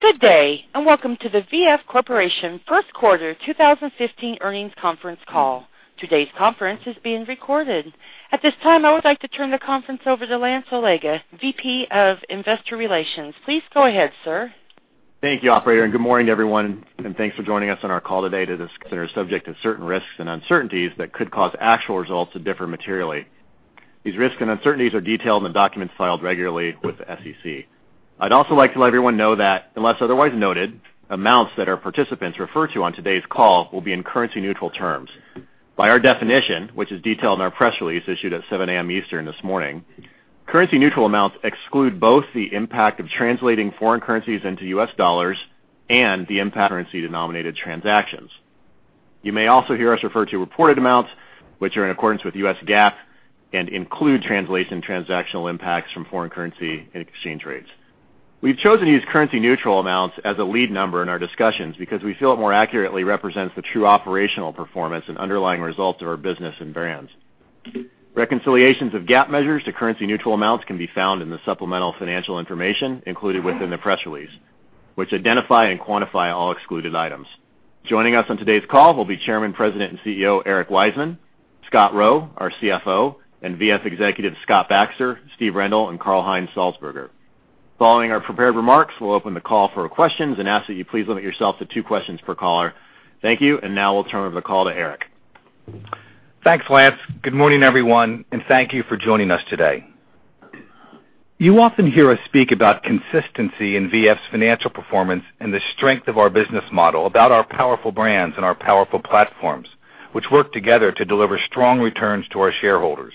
Good day, welcome to the V.F. Corporation first quarter 2015 earnings conference call. Today's conference is being recorded. At this time, I would like to turn the conference over to Lance Allega, VP of Investor Relations. Please go ahead, sir. Thank you, operator, good morning, everyone, and thanks for joining us on our call today to discuss subject to certain risks and uncertainties that could cause actual results to differ materially. These risks and uncertainties are detailed in the documents filed regularly with the SEC. I'd also like to let everyone know that, unless otherwise noted, amounts that our participants refer to on today's call will be in currency neutral terms. By our definition, which is detailed in our press release issued at 7:00 A.M. Eastern this morning, currency neutral amounts exclude both the impact of translating foreign currencies into U.S. dollars and the impact currency denominated transactions. You may also hear us refer to reported amounts which are in accordance with U.S. GAAP and include translation transactional impacts from foreign currency and exchange rates. We've chosen to use currency neutral amounts as a lead number in our discussions because we feel it more accurately represents the true operational performance and underlying results of our business and brands. Reconciliations of GAAP measures to currency neutral amounts can be found in the supplemental financial information included within the press release, which identify and quantify all excluded items. Joining us on today's call will be Chairman, President, and CEO, Eric Wiseman, Scott Roe, our CFO, and V.F. executives Scott Baxter, Steve Rendle, and Karl Heinz Salzburger. Following our prepared remarks, we'll open the call for questions and ask that you please limit yourself to two questions per caller. Thank you, now we'll turn over the call to Eric. Thanks, Lance. Good morning, everyone, and thank you for joining us today. You often hear us speak about consistency in V.F.'s financial performance and the strength of our business model, about our powerful brands and our powerful platforms, which work together to deliver strong returns to our shareholders.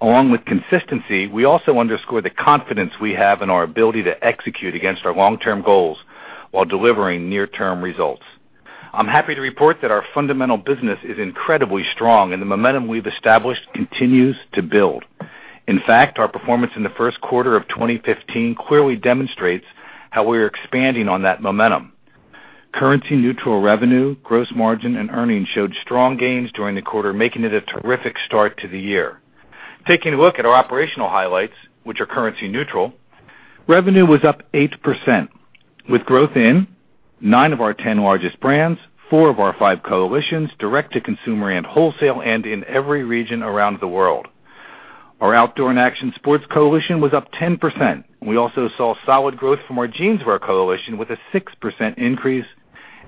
Along with consistency, we also underscore the confidence we have in our ability to execute against our long-term goals while delivering near-term results. I'm happy to report that our fundamental business is incredibly strong and the momentum we've established continues to build. In fact, our performance in the first quarter of 2015 clearly demonstrates how we are expanding on that momentum. Currency neutral revenue, gross margin, and earnings showed strong gains during the quarter, making it a terrific start to the year. Taking a look at our operational highlights, which are currency neutral, revenue was up 8%, with growth in nine of our 10 largest brands, four of our five coalitions, direct-to-consumer and wholesale, and in every region around the world. Our outdoor and action sports coalition was up 10%. We also saw solid growth from our Jeanswear coalition, with a 6% increase,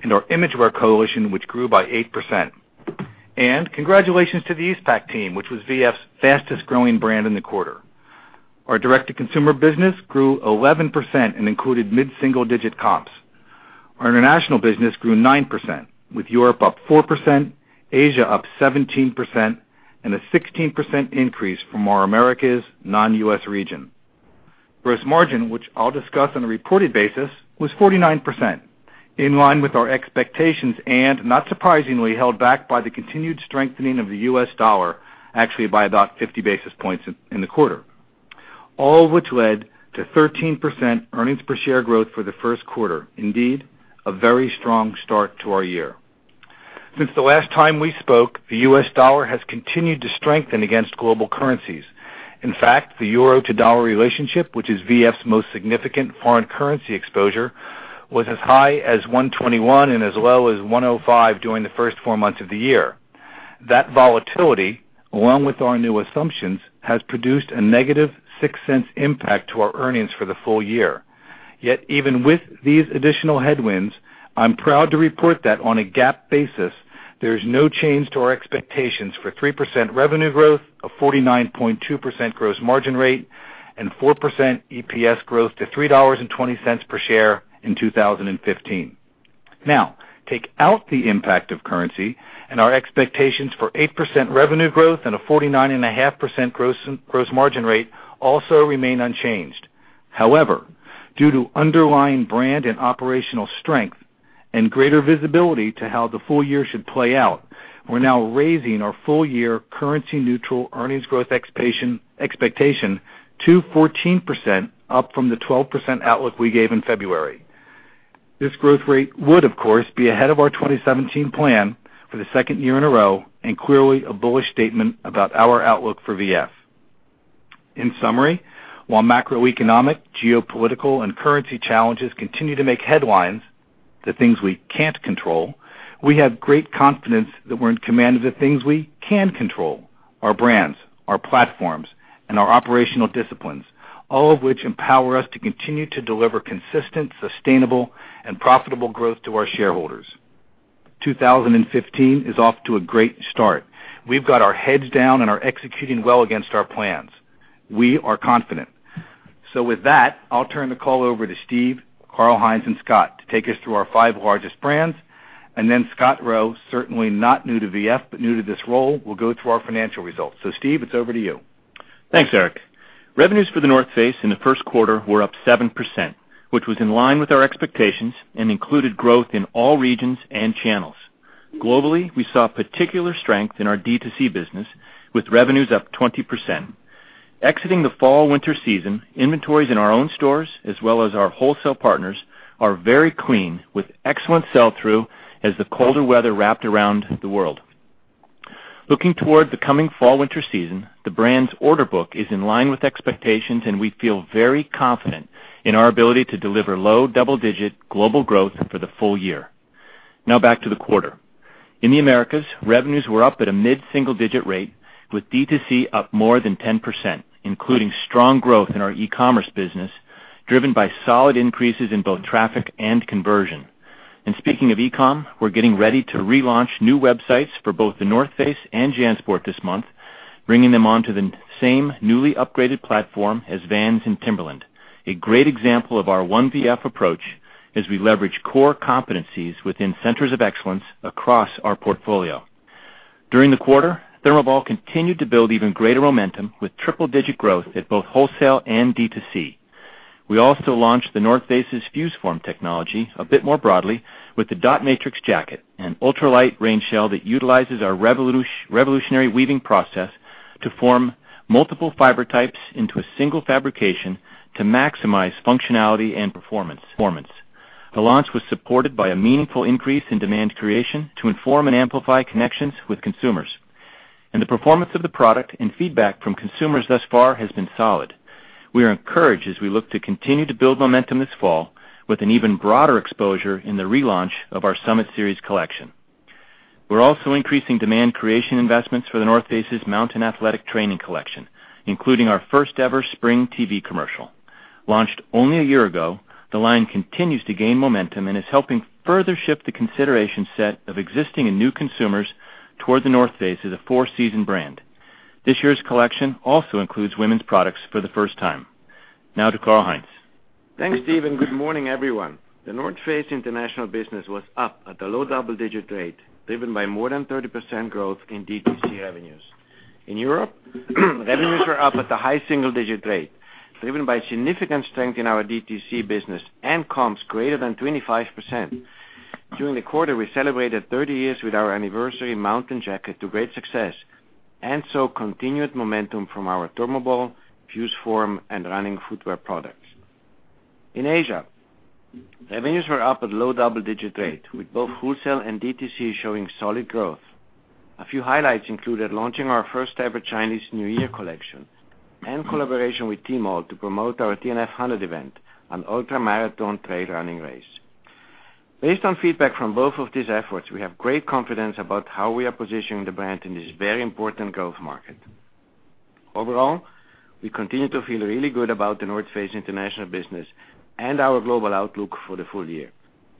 and our Imagewear coalition, which grew by 8%. Congratulations to the Eastpak team, which was V.F.'s fastest-growing brand in the quarter. Our direct-to-consumer business grew 11% and included mid-single-digit comps. Our international business grew 9%, with Europe up 4%, Asia up 17%, and a 16% increase from our Americas non-U.S. region. Gross margin, which I'll discuss on a reported basis, was 49%, in line with our expectations and, not surprisingly, held back by the continued strengthening of the U.S. dollar, actually by about 50 basis points in the quarter. All of which led to 13% earnings per share growth for the first quarter. Indeed, a very strong start to our year. Since the last time we spoke, the U.S. dollar has continued to strengthen against global currencies. In fact, the euro-to-dollar relationship, which is V.F.'s most significant foreign currency exposure, was as high as 121 and as low as 105 during the first four months of the year. That volatility, along with our new assumptions, has produced a negative $0.06 impact to our earnings for the full year. Yet, even with these additional headwinds, I'm proud to report that on a GAAP basis, there's no change to our expectations for 3% revenue growth, a 49.2% gross margin rate, and 4% EPS growth to $3.20 per share in 2015. Now, take out the impact of currency and our expectations for 8% revenue growth and a 49.5% gross margin rate also remain unchanged. However, due to underlying brand and operational strength and greater visibility to how the full year should play out, we're now raising our full-year currency neutral earnings growth expectation to 14%, up from the 12% outlook we gave in February. This growth rate would, of course, be ahead of our 2017 plan for the second year in a row and clearly a bullish statement about our outlook for V.F. In summary, while macroeconomic, geopolitical, and currency challenges continue to make headlines, the things we can't control, we have great confidence that we're in command of the things we can control: our brands, our platforms, and our operational disciplines, all of which empower us to continue to deliver consistent, sustainable, and profitable growth to our shareholders. 2015 is off to a great start. We've got our heads down and are executing well against our plans. We are confident. With that, I'll turn the call over to Steve, Karl Heinz, and Scott to take us through our five largest brands. Then Scott Roe, certainly not new to V.F., but new to this role, will go through our financial results. Steve, it's over to you. Thanks, Eric. Revenues for The North Face in the first quarter were up 7%, which was in line with our expectations and included growth in all regions and channels. Globally, we saw particular strength in our D2C business, with revenues up 20%. Exiting the fall/winter season, inventories in our own stores, as well as our wholesale partners, are very clean, with excellent sell-through as the colder weather wrapped around the world. Looking toward the coming fall/winter season, the brand's order book is in line with expectations, and we feel very confident in our ability to deliver low double-digit global growth for the full year. Now back to the quarter. In the Americas, revenues were up at a mid-single-digit rate, with D2C up more than 10%, including strong growth in our e-commerce business, driven by solid increases in both traffic and conversion. Speaking of e-com, we're getting ready to relaunch new websites for both The North Face and JanSport this month, bringing them onto the same newly upgraded platform as Vans and Timberland, a great example of our One VF approach as we leverage core competencies within centers of excellence across our portfolio. During the quarter, ThermoBall continued to build even greater momentum with triple-digit growth at both wholesale and D2C. We also launched The North Face's FuseForm technology a bit more broadly with the Dot Matrix jacket, an ultralight rain shell that utilizes our revolutionary weaving process to form multiple fiber types into a single fabrication to maximize functionality and performance. The launch was supported by a meaningful increase in demand creation to inform and amplify connections with consumers. The performance of the product and feedback from consumers thus far has been solid. We are encouraged as we look to continue to build momentum this fall with an even broader exposure in the relaunch of our Summit Series collection. We're also increasing demand creation investments for The North Face's Mountain Athletics Training collection, including our first-ever spring TV commercial. Launched only a year ago, the line continues to gain momentum and is helping further shift the consideration set of existing and new consumers toward The North Face as a four-season brand. This year's collection also includes women's products for the first time. Now to Karl Heinz. Thanks, Steve. Good morning, everyone. The North Face international business was up at a low double-digit rate, driven by more than 30% growth in DTC revenues. In Europe, revenues were up at the high single-digit rate, driven by significant strength in our DTC business and comps greater than 25%. During the quarter, we celebrated 30 years with our anniversary Mountain jacket to great success and saw continued momentum from our ThermoBall, FuseForm, and running footwear products. In Asia, revenues were up at low double-digit rate, with both wholesale and DTC showing solid growth. A few highlights included launching our first-ever Chinese New Year collection and collaboration with Tmall to promote our TNF 100 event, an ultramarathon trail running race. Based on feedback from both of these efforts, we have great confidence about how we are positioning the brand in this very important growth market. Overall, we continue to feel really good about The North Face international business and our global outlook for the full year.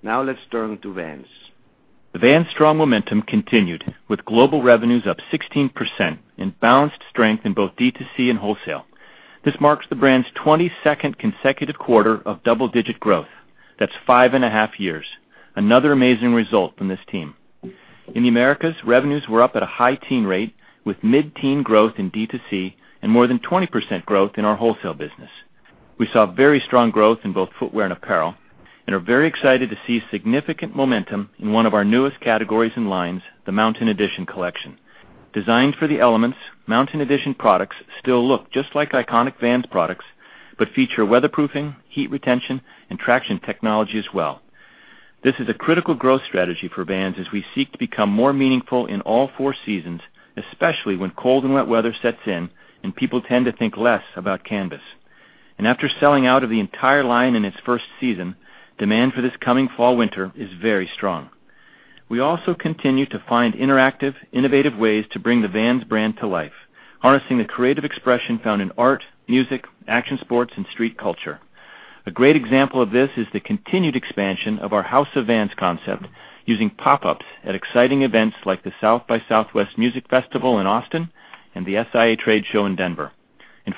Let's turn to Vans. The Vans strong momentum continued, with global revenues up 16% and balanced strength in both D2C and wholesale. This marks the brand's 22nd consecutive quarter of double-digit growth. That's five and a half years. Another amazing result from this team. In the Americas, revenues were up at a high teen rate, with mid-teen growth in D2C and more than 20% growth in our wholesale business. We saw very strong growth in both footwear and apparel and are very excited to see significant momentum in one of our newest categories and lines, the Mountain Edition collection. Designed for the elements, Mountain Edition products still look just like iconic Vans products but feature weatherproofing, heat retention, and traction technology as well. This is a critical growth strategy for Vans as we seek to become more meaningful in all four seasons, especially when cold and wet weather sets in and people tend to think less about canvas. After selling out of the entire line in its first season, demand for this coming fall/winter is very strong. We also continue to find interactive, innovative ways to bring the Vans brand to life, harnessing the creative expression found in art, music, action sports, and street culture. A great example of this is the continued expansion of our House of Vans concept, using pop-ups at exciting events like the South by Southwest Music Festival in Austin and the SIA Trade Show in Denver.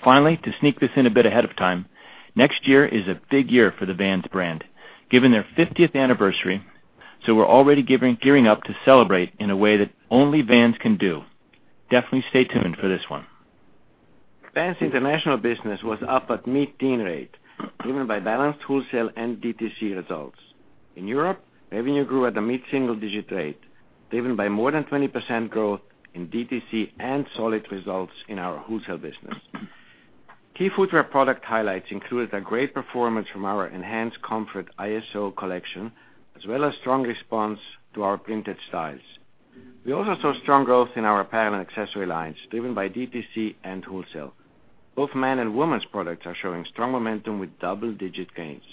Finally, to sneak this in a bit ahead of time, next year is a big year for the Vans brand, given their 50th anniversary, we're already gearing up to celebrate in a way that only Vans can do. Definitely stay tuned for this one. Vans international business was up at a mid-teen rate, driven by balanced wholesale and DTC results. In Europe, revenue grew at a mid-single-digit rate, driven by more than 20% growth in DTC and solid results in our wholesale business. Key footwear product highlights included a great performance from our enhanced comfort ISO collection, as well as strong response to our printed styles. We also saw strong growth in our apparel and accessory lines, driven by DTC and wholesale. Both men and women's products are showing strong momentum with double-digit gains.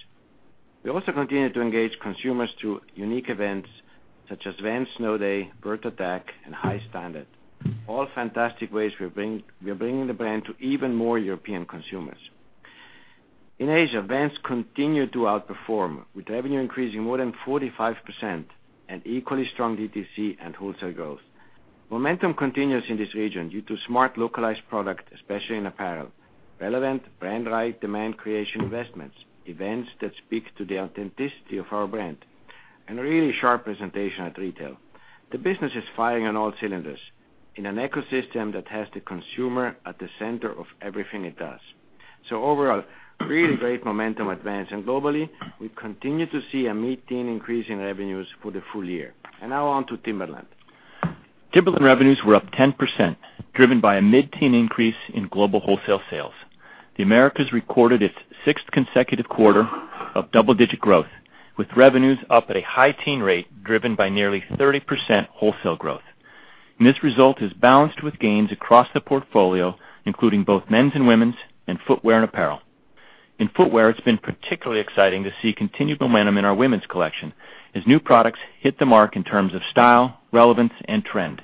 We also continue to engage consumers through unique events such as Vans Snow Days, [Bier-tack], and Hi-Standard, all fantastic ways we are bringing the brand to even more European consumers. In Asia, Vans continued to outperform, with revenue increasing more than 45% and equally strong DTC and wholesale growth. Momentum continues in this region due to smart localized product, especially in apparel, relevant brand right demand creation investments, events that speak to the authenticity of our brand, and really sharp presentation at retail. Overall, really great momentum at Vans, and globally, we continue to see a mid-teen increase in revenues for the full year. Now on to Timberland. Timberland revenues were up 10%, driven by a mid-teen increase in global wholesale sales. The Americas recorded its sixth consecutive quarter of double-digit growth, with revenues up at a high teen rate driven by nearly 30% wholesale growth. This result is balanced with gains across the portfolio, including both men's and women's, and footwear and apparel. In footwear, it's been particularly exciting to see continued momentum in our women's collection as new products hit the mark in terms of style, relevance, and trend.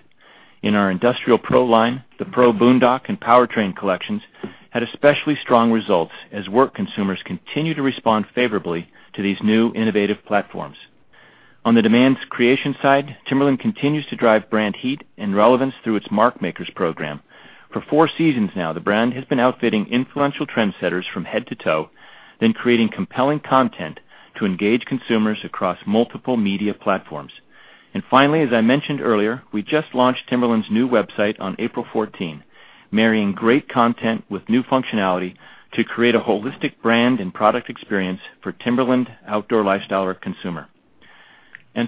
In our industrial pro line, the PRO Boondock and Powertrain collections had especially strong results as work consumers continue to respond favorably to these new innovative platforms. On the demand creation side, Timberland continues to drive brand heat and relevance through its Mark Makers program. For four seasons now, the brand has been outfitting influential trendsetters from head to toe, then creating compelling content to engage consumers across multiple media platforms. Finally, as I mentioned earlier, we just launched Timberland's new website on April 14, marrying great content with new functionality to create a holistic brand and product experience for Timberland outdoor lifestyle consumer.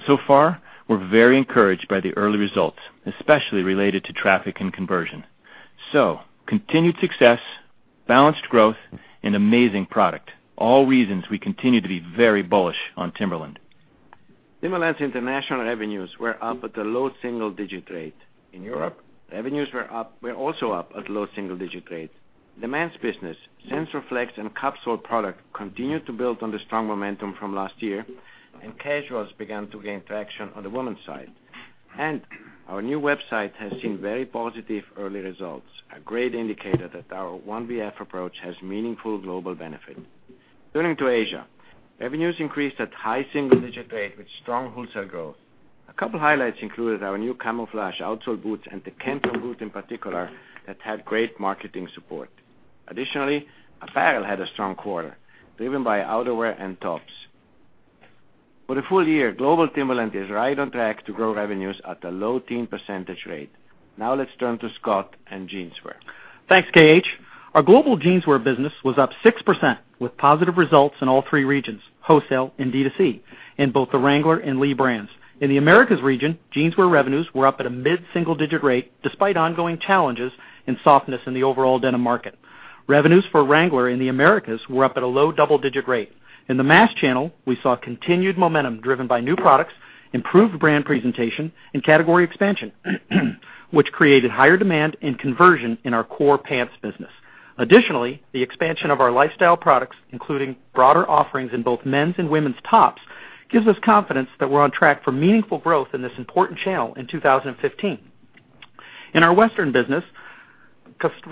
So far, we are very encouraged by the early results, especially related to traffic and conversion. Continued success, balanced growth, and amazing product, all reasons we continue to be very bullish on Timberland. Timberland's international revenues were up at the low single-digit rate. In Europe, revenues were also up at low single-digit rates. The men's business, SensorFlex, and capsule product continued to build on the strong momentum from last year, and casuals began to gain traction on the women's side. Our new website has seen very positive early results, a great indicator that our One VF approach has meaningful global benefit. Turning to Asia, revenues increased at high single-digit rate with strong wholesale growth. A couple highlights included our new camouflage outsole boots and the Kenton boot in particular that had great marketing support. Additionally, apparel had a strong quarter, driven by outerwear and tops. For the full year, global Timberland is right on track to grow revenues at a low teen percentage rate. Let's turn to Scott andJ eanswear. Thanks, KH. Our global Jeanswear business was up 6% with positive results in all three regions, wholesale and D2C, in both the Wrangler and Lee brands. In the Americas region, Jeanswear revenues were up at a mid-single-digit rate despite ongoing challenges and softness in the overall denim market. Revenues for Wrangler in the Americas were up at a low double-digit rate. In the mass channel, we saw continued momentum driven by new products, improved brand presentation, and category expansion, which created higher demand and conversion in our core pants business. Additionally, the expansion of our lifestyle products, including broader offerings in both men's and women's tops, gives us confidence that we are on track for meaningful growth in this important channel in 2015. In our Western business,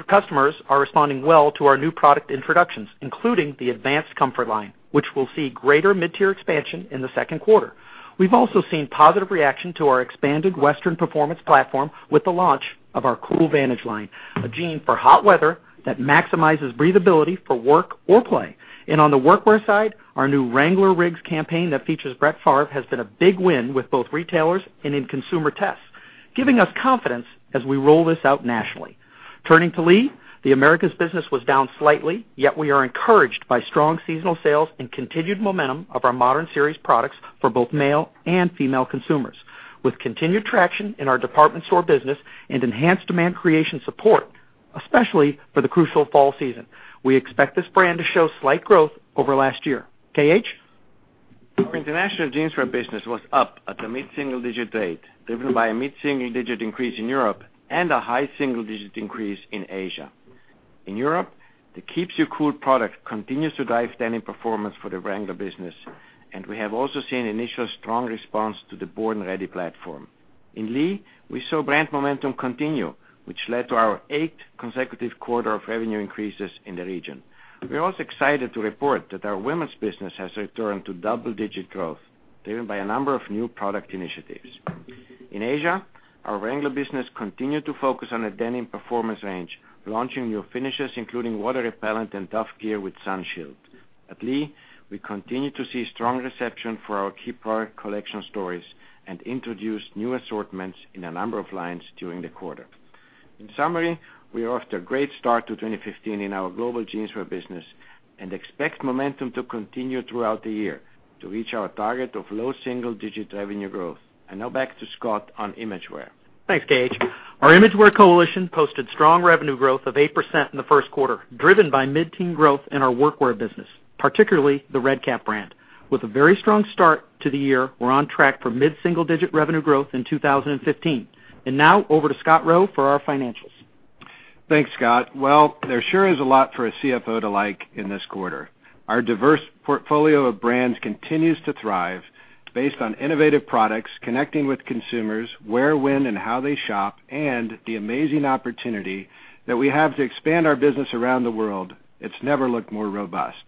customers are responding well to our new product introductions, including the Advanced Comfort line, which will see greater mid-tier expansion in the second quarter. We have also seen positive reaction to our expanded Western performance platform with the launch of our Cool Vantage line, a jean for hot weather that maximizes breathability for work or play. On the workwear side, our new Wrangler rigs campaign that features Brett Favre has been a big win with both retailers and in consumer tests, giving us confidence as we roll this out nationally. Turning to Lee, the Americas business was down slightly, yet we are encouraged by strong seasonal sales and continued momentum of our Modern Series products for both male and female consumers. With continued traction in our department store business and enhanced demand creation support, especially for the crucial fall season, we expect this brand to show slight growth over last year. K.H. Our international Jeanswear business was up at the mid-single-digit rate, driven by a mid-single-digit increase in Europe and a high single-digit increase in Asia. In Europe, the Keeps You Cool product continues to drive denim performance for the Wrangler business. We have also seen initial strong response to the Born Ready platform. In Lee, we saw brand momentum continue, which led to our eighth consecutive quarter of revenue increases in the region. We are also excited to report that our women's business has returned to double-digit growth, driven by a number of new product initiatives. In Asia, our Wrangler business continued to focus on a denim performance range, launching new finishes including water repellent and Tough Gear with Sun Shield. At Lee, we continue to see strong reception for our key product collection stories and introduced new assortments in a number of lines during the quarter. In summary, we are off to a great start to 2015 in our global Jeanswear business and expect momentum to continue throughout the year to reach our target of low single-digit revenue growth. Now back to Scott on Imagewear. Thanks, K.H. Our Imagewear coalition posted strong revenue growth of 8% in the first quarter, driven by mid-teen growth in our workwear business, particularly the Red Kap brand. With a very strong start to the year, we are on track for mid-single-digit revenue growth in 2015. Now over to Scott Roe for our financials. Thanks, Scott. There sure is a lot for a CFO to like in this quarter. Our diverse portfolio of brands continues to thrive based on innovative products, connecting with consumers where, when, and how they shop, and the amazing opportunity that we have to expand our business around the world. It's never looked more robust.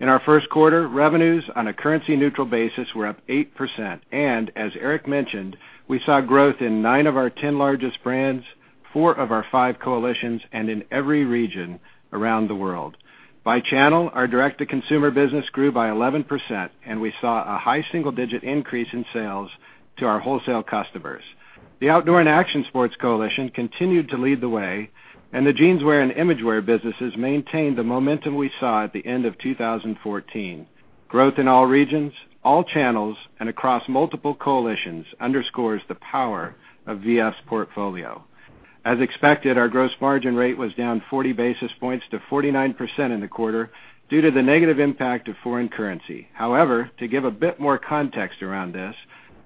In our first quarter, revenues on a currency-neutral basis were up 8%. As Eric mentioned, we saw growth in nine of our 10 largest brands, four of our five coalitions, and in every region around the world. By channel, our direct-to-consumer business grew by 11%, and we saw a high single-digit increase in sales to our wholesale customers. The outdoor and action sports coalition continued to lead the way, and the Jeanswear and Imagewear businesses maintained the momentum we saw at the end of 2014. Growth in all regions, all channels, and across multiple coalitions underscores the power of V.F.'s portfolio. As expected, our gross margin rate was down 40 basis points to 49% in the quarter due to the negative impact of foreign currency. To give a bit more context around this,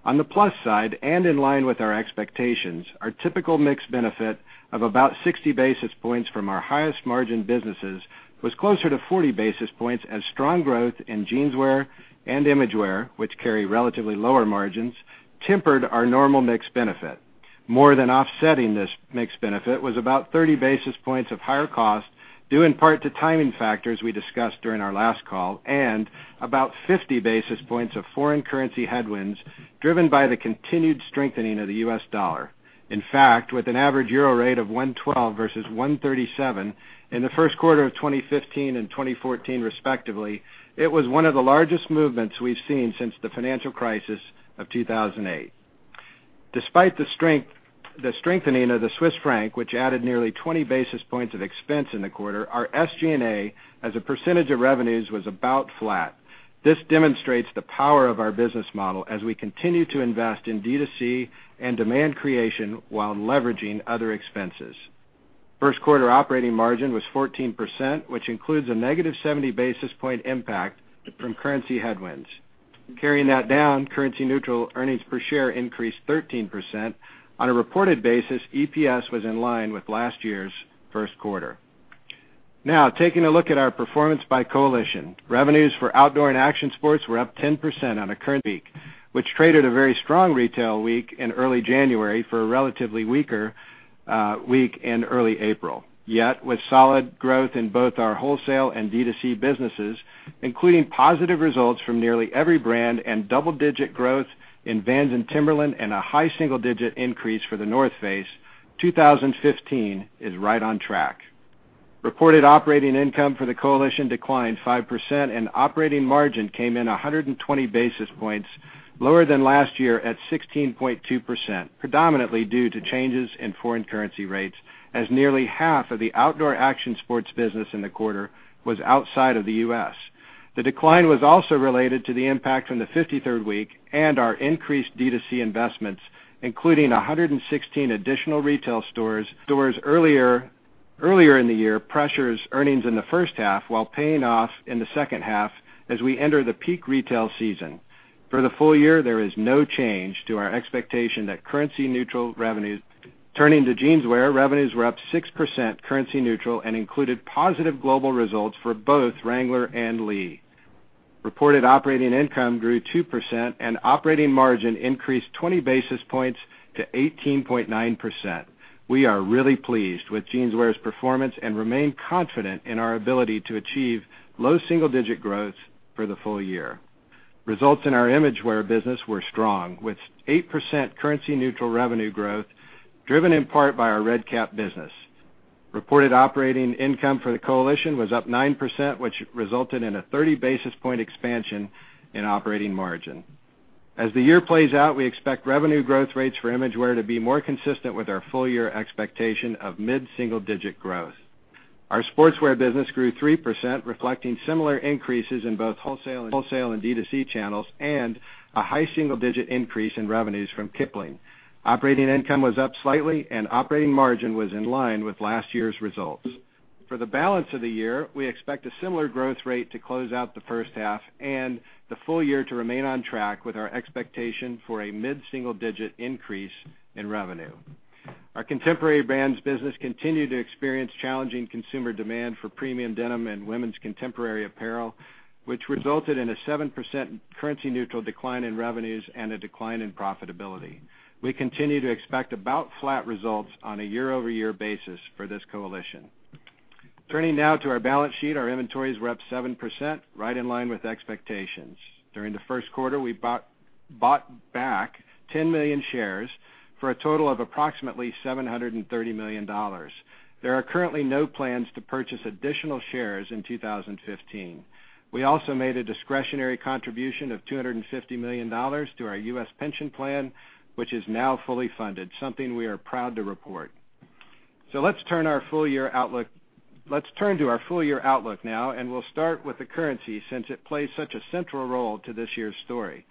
on the plus side, in line with our expectations, our typical mix benefit of about 60 basis points from our highest margin businesses was closer to 40 basis points as strong growth in Jeanswear and Imagewear, which carry relatively lower margins, tempered our normal mix benefit. More than offsetting this mix benefit was about 30 basis points of higher cost, due in part to timing factors we discussed during our last call, and about 50 basis points of foreign currency headwinds driven by the continued strengthening of the US dollar. With an average euro rate of 112 versus 137 in the first quarter of 2015 and 2014 respectively, it was one of the largest movements we've seen since the financial crisis of 2008. Despite the strengthening of the Swiss franc, which added nearly 20 basis points of expense in the quarter, our SG&A as a percentage of revenues was about flat. This demonstrates the power of our business model as we continue to invest in D2C and demand creation while leveraging other expenses. First quarter operating margin was 14%, which includes a negative 70 basis point impact from currency headwinds. Carrying that down, currency neutral earnings per share increased 13%. On a reported basis, EPS was in line with last year's first quarter. Taking a look at our performance by coalition. Revenues for outdoor and action sports were up 10%, which traded a very strong retail week in early January for a relatively weaker week in early April. With solid growth in both our wholesale and D2C businesses, including positive results from nearly every brand, double-digit growth in Vans and Timberland, and a high single-digit increase for The North Face, 2015 is right on track. Reported operating income for the coalition declined 5%, and operating margin came in 120 basis points lower than last year at 16.2%, predominantly due to changes in foreign currency rates, as nearly half of the Outdoor and Action Sports business in the quarter was outside of the U.S. The decline was also related to the impact from the 53rd week and our increased D2C investments, including 116 additional retail stores. Stores earlier in the year pressures earnings in the first half while paying off in the second half as we enter the peak retail season. For the full year, there is no change to our expectation that currency neutral revenues. Turning to Jeanswear, revenues were up 6% currency neutral and included positive global results for both Wrangler and Lee. Reported operating income grew 2% and operating margin increased 20 basis points to 18.9%. We are really pleased with Jeanswear's performance and remain confident in our ability to achieve low single-digit growth for the full year. Results in our Imagewear business were strong, with 8% currency neutral revenue growth, driven in part by our Red Kap business. Reported operating income for the coalition was up 9%, which resulted in a 30 basis point expansion in operating margin. The year plays out, we expect revenue growth rates for Imagewear to be more consistent with our full-year expectation of mid-single digit growth. Our Sportswear business grew 3%, reflecting similar increases in both wholesale and D2C channels, and a high single digit increase in revenues from Kipling. Operating income was up slightly, and operating margin was in line with last year's results. For the balance of the year, we expect a similar growth rate to close out the first half, and the full year to remain on track with our expectation for a mid-single digit increase in revenue. Our Contemporary Brands business continued to experience challenging consumer demand for premium denim and women's Contemporary apparel, which resulted in a 7% currency neutral decline in revenues and a decline in profitability. We continue to expect about flat results on a year-over-year basis for this coalition. Turning now to our balance sheet. Our inventories were up 7%, right in line with expectations. During the first quarter, we bought back 10 million shares for a total of approximately $730 million. There are currently no plans to purchase additional shares in 2015. We also made a discretionary contribution of $250 million to our U.S. pension plan, which is now fully funded, something we are proud to report. Let's turn to our full-year outlook now, we'll start with the currency, since it plays such a central role to this year's story.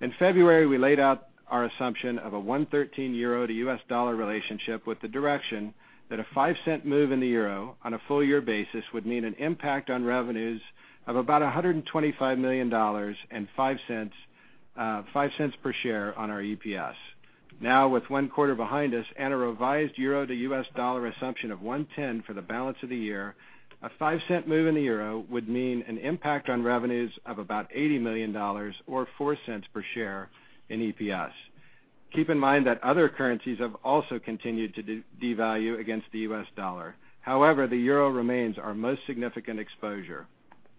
In February, we laid out our assumption of a 1.13 euro to U.S. dollar relationship with the direction that a EUR 0.05 move in the euro on a full year basis would mean an impact on revenues of about $125 million and $0.05 per share on our EPS. With one quarter behind us and a revised EUR to U.S. dollar assumption of 1.10 for the balance of the year, a 0.05 move in the euro would mean an impact on revenues of about $80 million, or $0.04 per share in EPS. Keep in mind that other currencies have also continued to devalue against the U.S. dollar. However, the euro remains our most significant exposure.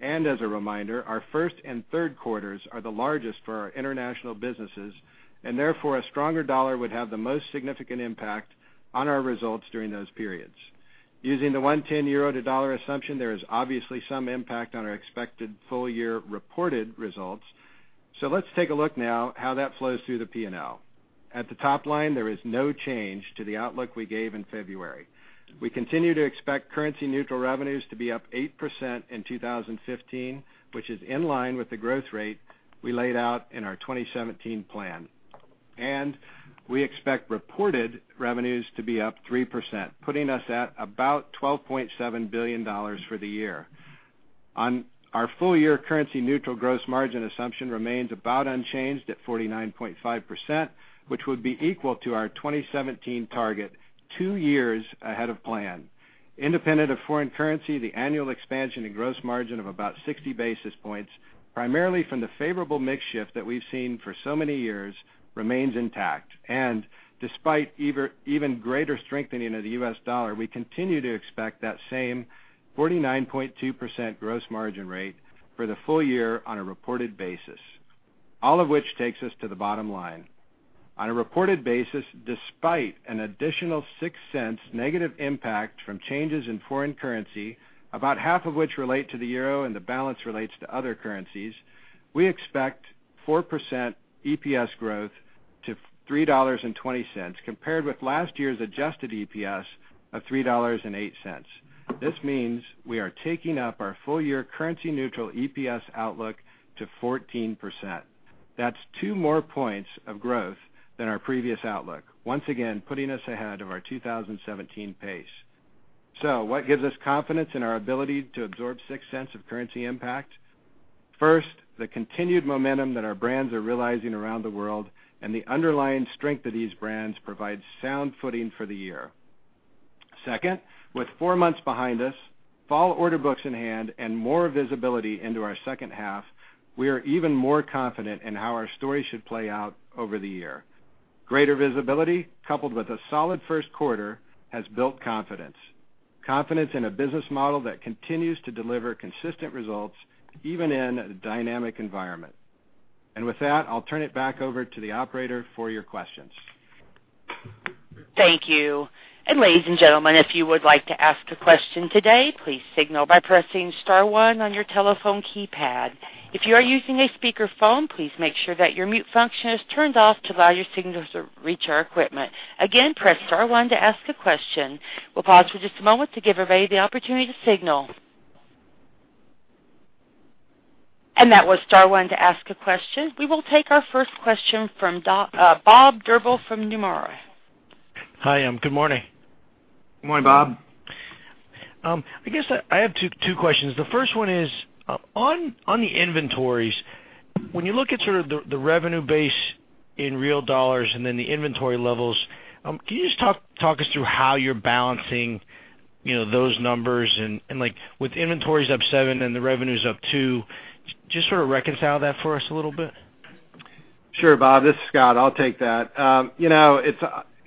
As a reminder, our first and third quarters are the largest for our international businesses, and therefore, a stronger dollar would have the most significant impact on our results during those periods. Using the 1.10 euro to dollar assumption, there is obviously some impact on our expected full-year reported results. Let's take a look now how that flows through the P&L. At the top line, there is no change to the outlook we gave in February. We continue to expect currency neutral revenues to be up 8% in 2015, which is in line with the growth rate we laid out in our 2017 plan. We expect reported revenues to be up 3%, putting us at about $12.7 billion for the year. Our full year currency neutral gross margin assumption remains about unchanged at 49.5%, which would be equal to our 2017 target two years ahead of plan. Independent of foreign currency, the annual expansion in gross margin of about 60 basis points, primarily from the favorable mix shift that we've seen for so many years, remains intact. Despite even greater strengthening of the US dollar, we continue to expect that same 49.2% gross margin rate for the full year on a reported basis. All of which takes us to the bottom line. On a reported basis, despite an additional $0.06 negative impact from changes in foreign currency, about half of which relate to the euro and the balance relates to other currencies, we expect 4% EPS growth to $3.20, compared with last year's adjusted EPS of $3.08. This means we are taking up our full year currency neutral EPS outlook to 14%. That's two more points of growth than our previous outlook, once again putting us ahead of our 2017 pace. What gives us confidence in our ability to absorb $0.06 of currency impact? First, the continued momentum that our brands are realizing around the world and the underlying strength of these brands provides sound footing for the year. Second, with four months behind us, fall order books in hand, and more visibility into our second half, we are even more confident in how our story should play out over the year. Greater visibility, coupled with a solid first quarter, has built confidence. Confidence in a business model that continues to deliver consistent results, even in a dynamic environment. With that, I'll turn it back over to the operator for your questions. Thank you. Ladies and gentlemen, if you would like to ask a question today, please signal by pressing *1 on your telephone keypad. If you are using a speakerphone, please make sure that your mute function is turned off to allow your signals to reach our equipment. Again, press *1 to ask a question. We'll pause for just a moment to give everybody the opportunity to signal. That was *1 to ask a question. We will take our first question from Bob Drbul from Nomura. Hi, good morning. Good morning, Bob. I guess I have two questions. The first one is on the inventories. When you look at sort of the revenue base in real dollars and then the inventory levels, can you just talk us through how you're balancing those numbers? With inventories up 7% and the revenues up 2%, just sort of reconcile that for us a little bit. Sure, Bob. This is Scott. I'll take that.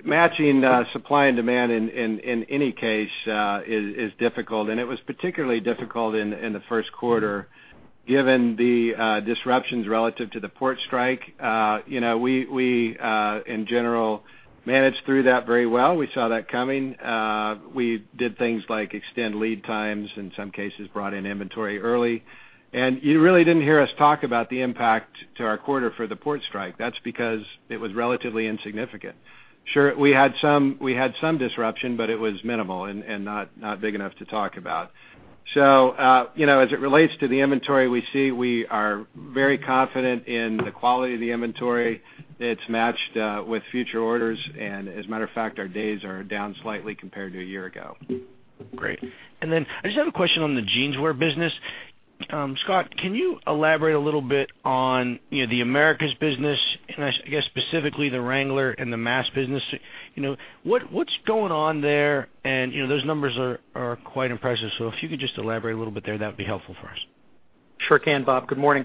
Matching supply and demand, in any case, is difficult. It was particularly difficult in the first quarter given the disruptions relative to the port strike. We, in general, managed through that very well. We saw that coming. We did things like extend lead times, in some cases, brought in inventory early. You really didn't hear us talk about the impact to our quarter for the port strike. That's because it was relatively insignificant. Sure, we had some disruption, but it was minimal and not big enough to talk about. As it relates to the inventory we see, we are very confident in the quality of the inventory. It's matched with future orders. As a matter of fact, our days are down slightly compared to a year ago. Great. I just have a question on the Jeanswear business. Scott, can you elaborate a little bit on the Americas business and I guess specifically the Wrangler and the mass business? What's going on there? Those numbers are quite impressive. If you could just elaborate a little bit there, that'd be helpful for us. Sure can, Bob. Good morning.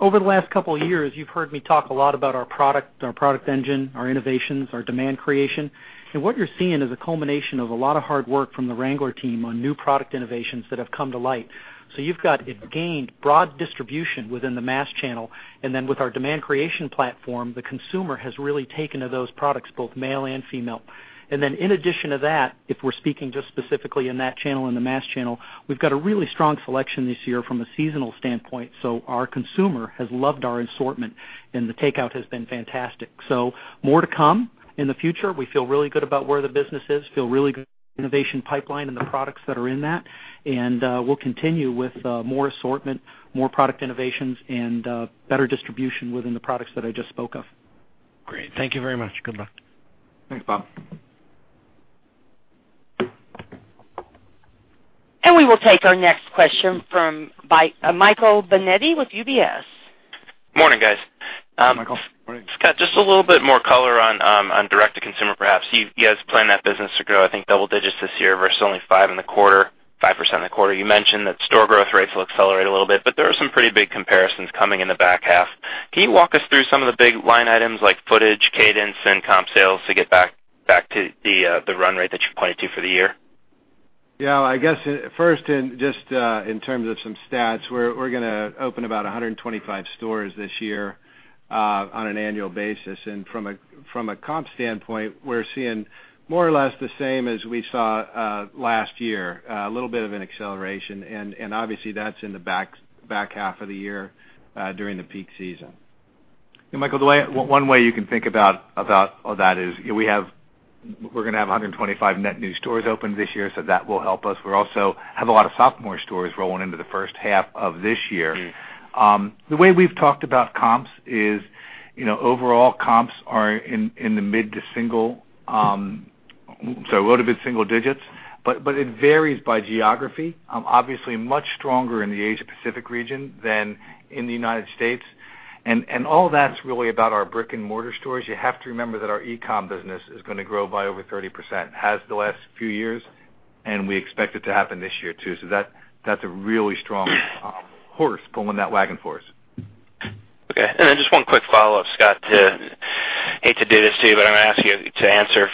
Over the last couple of years, you've heard me talk a lot about our product, our product engine, our innovations, our demand creation. What you're seeing is a culmination of a lot of hard work from the Wrangler team on new product innovations that have come to light. You've got it gained broad distribution within the mass channel, and then with our demand creation platform, the consumer has really taken to those products, both male and female. In addition to that, if we're speaking just specifically in that channel and the mass channel, we've got a really strong selection this year from a seasonal standpoint. Our consumer has loved our assortment, and the takeout has been fantastic. More to come in the future. We feel really good about where the business is, feel really good innovation pipeline and the products that are in that. We'll continue with more assortment, more product innovations, and better distribution within the products that I just spoke of. Great. Thank you very much. Good luck. Thanks, Bob. We will take our next question from Michael Binetti with UBS. Morning, guys. Michael, morning. Scott, just a little bit more color on direct-to-consumer, perhaps. You guys plan that business to grow, I think, double digits this year versus only 5% in the quarter. You mentioned that store growth rates will accelerate a little bit, but there are some pretty big comparisons coming in the back half. Can you walk us through some of the big line items like footage, cadence, and comp sales to get back to the run rate that you pointed to for the year? Yeah, I guess first, just in terms of some stats, we're going to open about 125 stores this year on an annual basis. From a comp standpoint, we're seeing more or less the same as we saw last year. A little bit of an acceleration, and obviously that's in the back half of the year during the peak season. Michael, one way you can think about all that is we're going to have 125 net new stores open this year, so that will help us. We also have a lot of sophomore stores rolling into the first half of this year. The way we've talked about comps is, overall comps are in the mid to single. A little bit of single digits, but it varies by geography. Obviously, much stronger in the Asia Pacific region than in the United States. All that's really about our brick-and-mortar stores. You have to remember that our e-com business is going to grow by over 30%, has the last few years, and we expect it to happen this year, too. That's a really strong horse pulling that wagon for us. Okay. Just one quick follow-up, Scott. Hate to do this to you, but I'm going to ask you to answer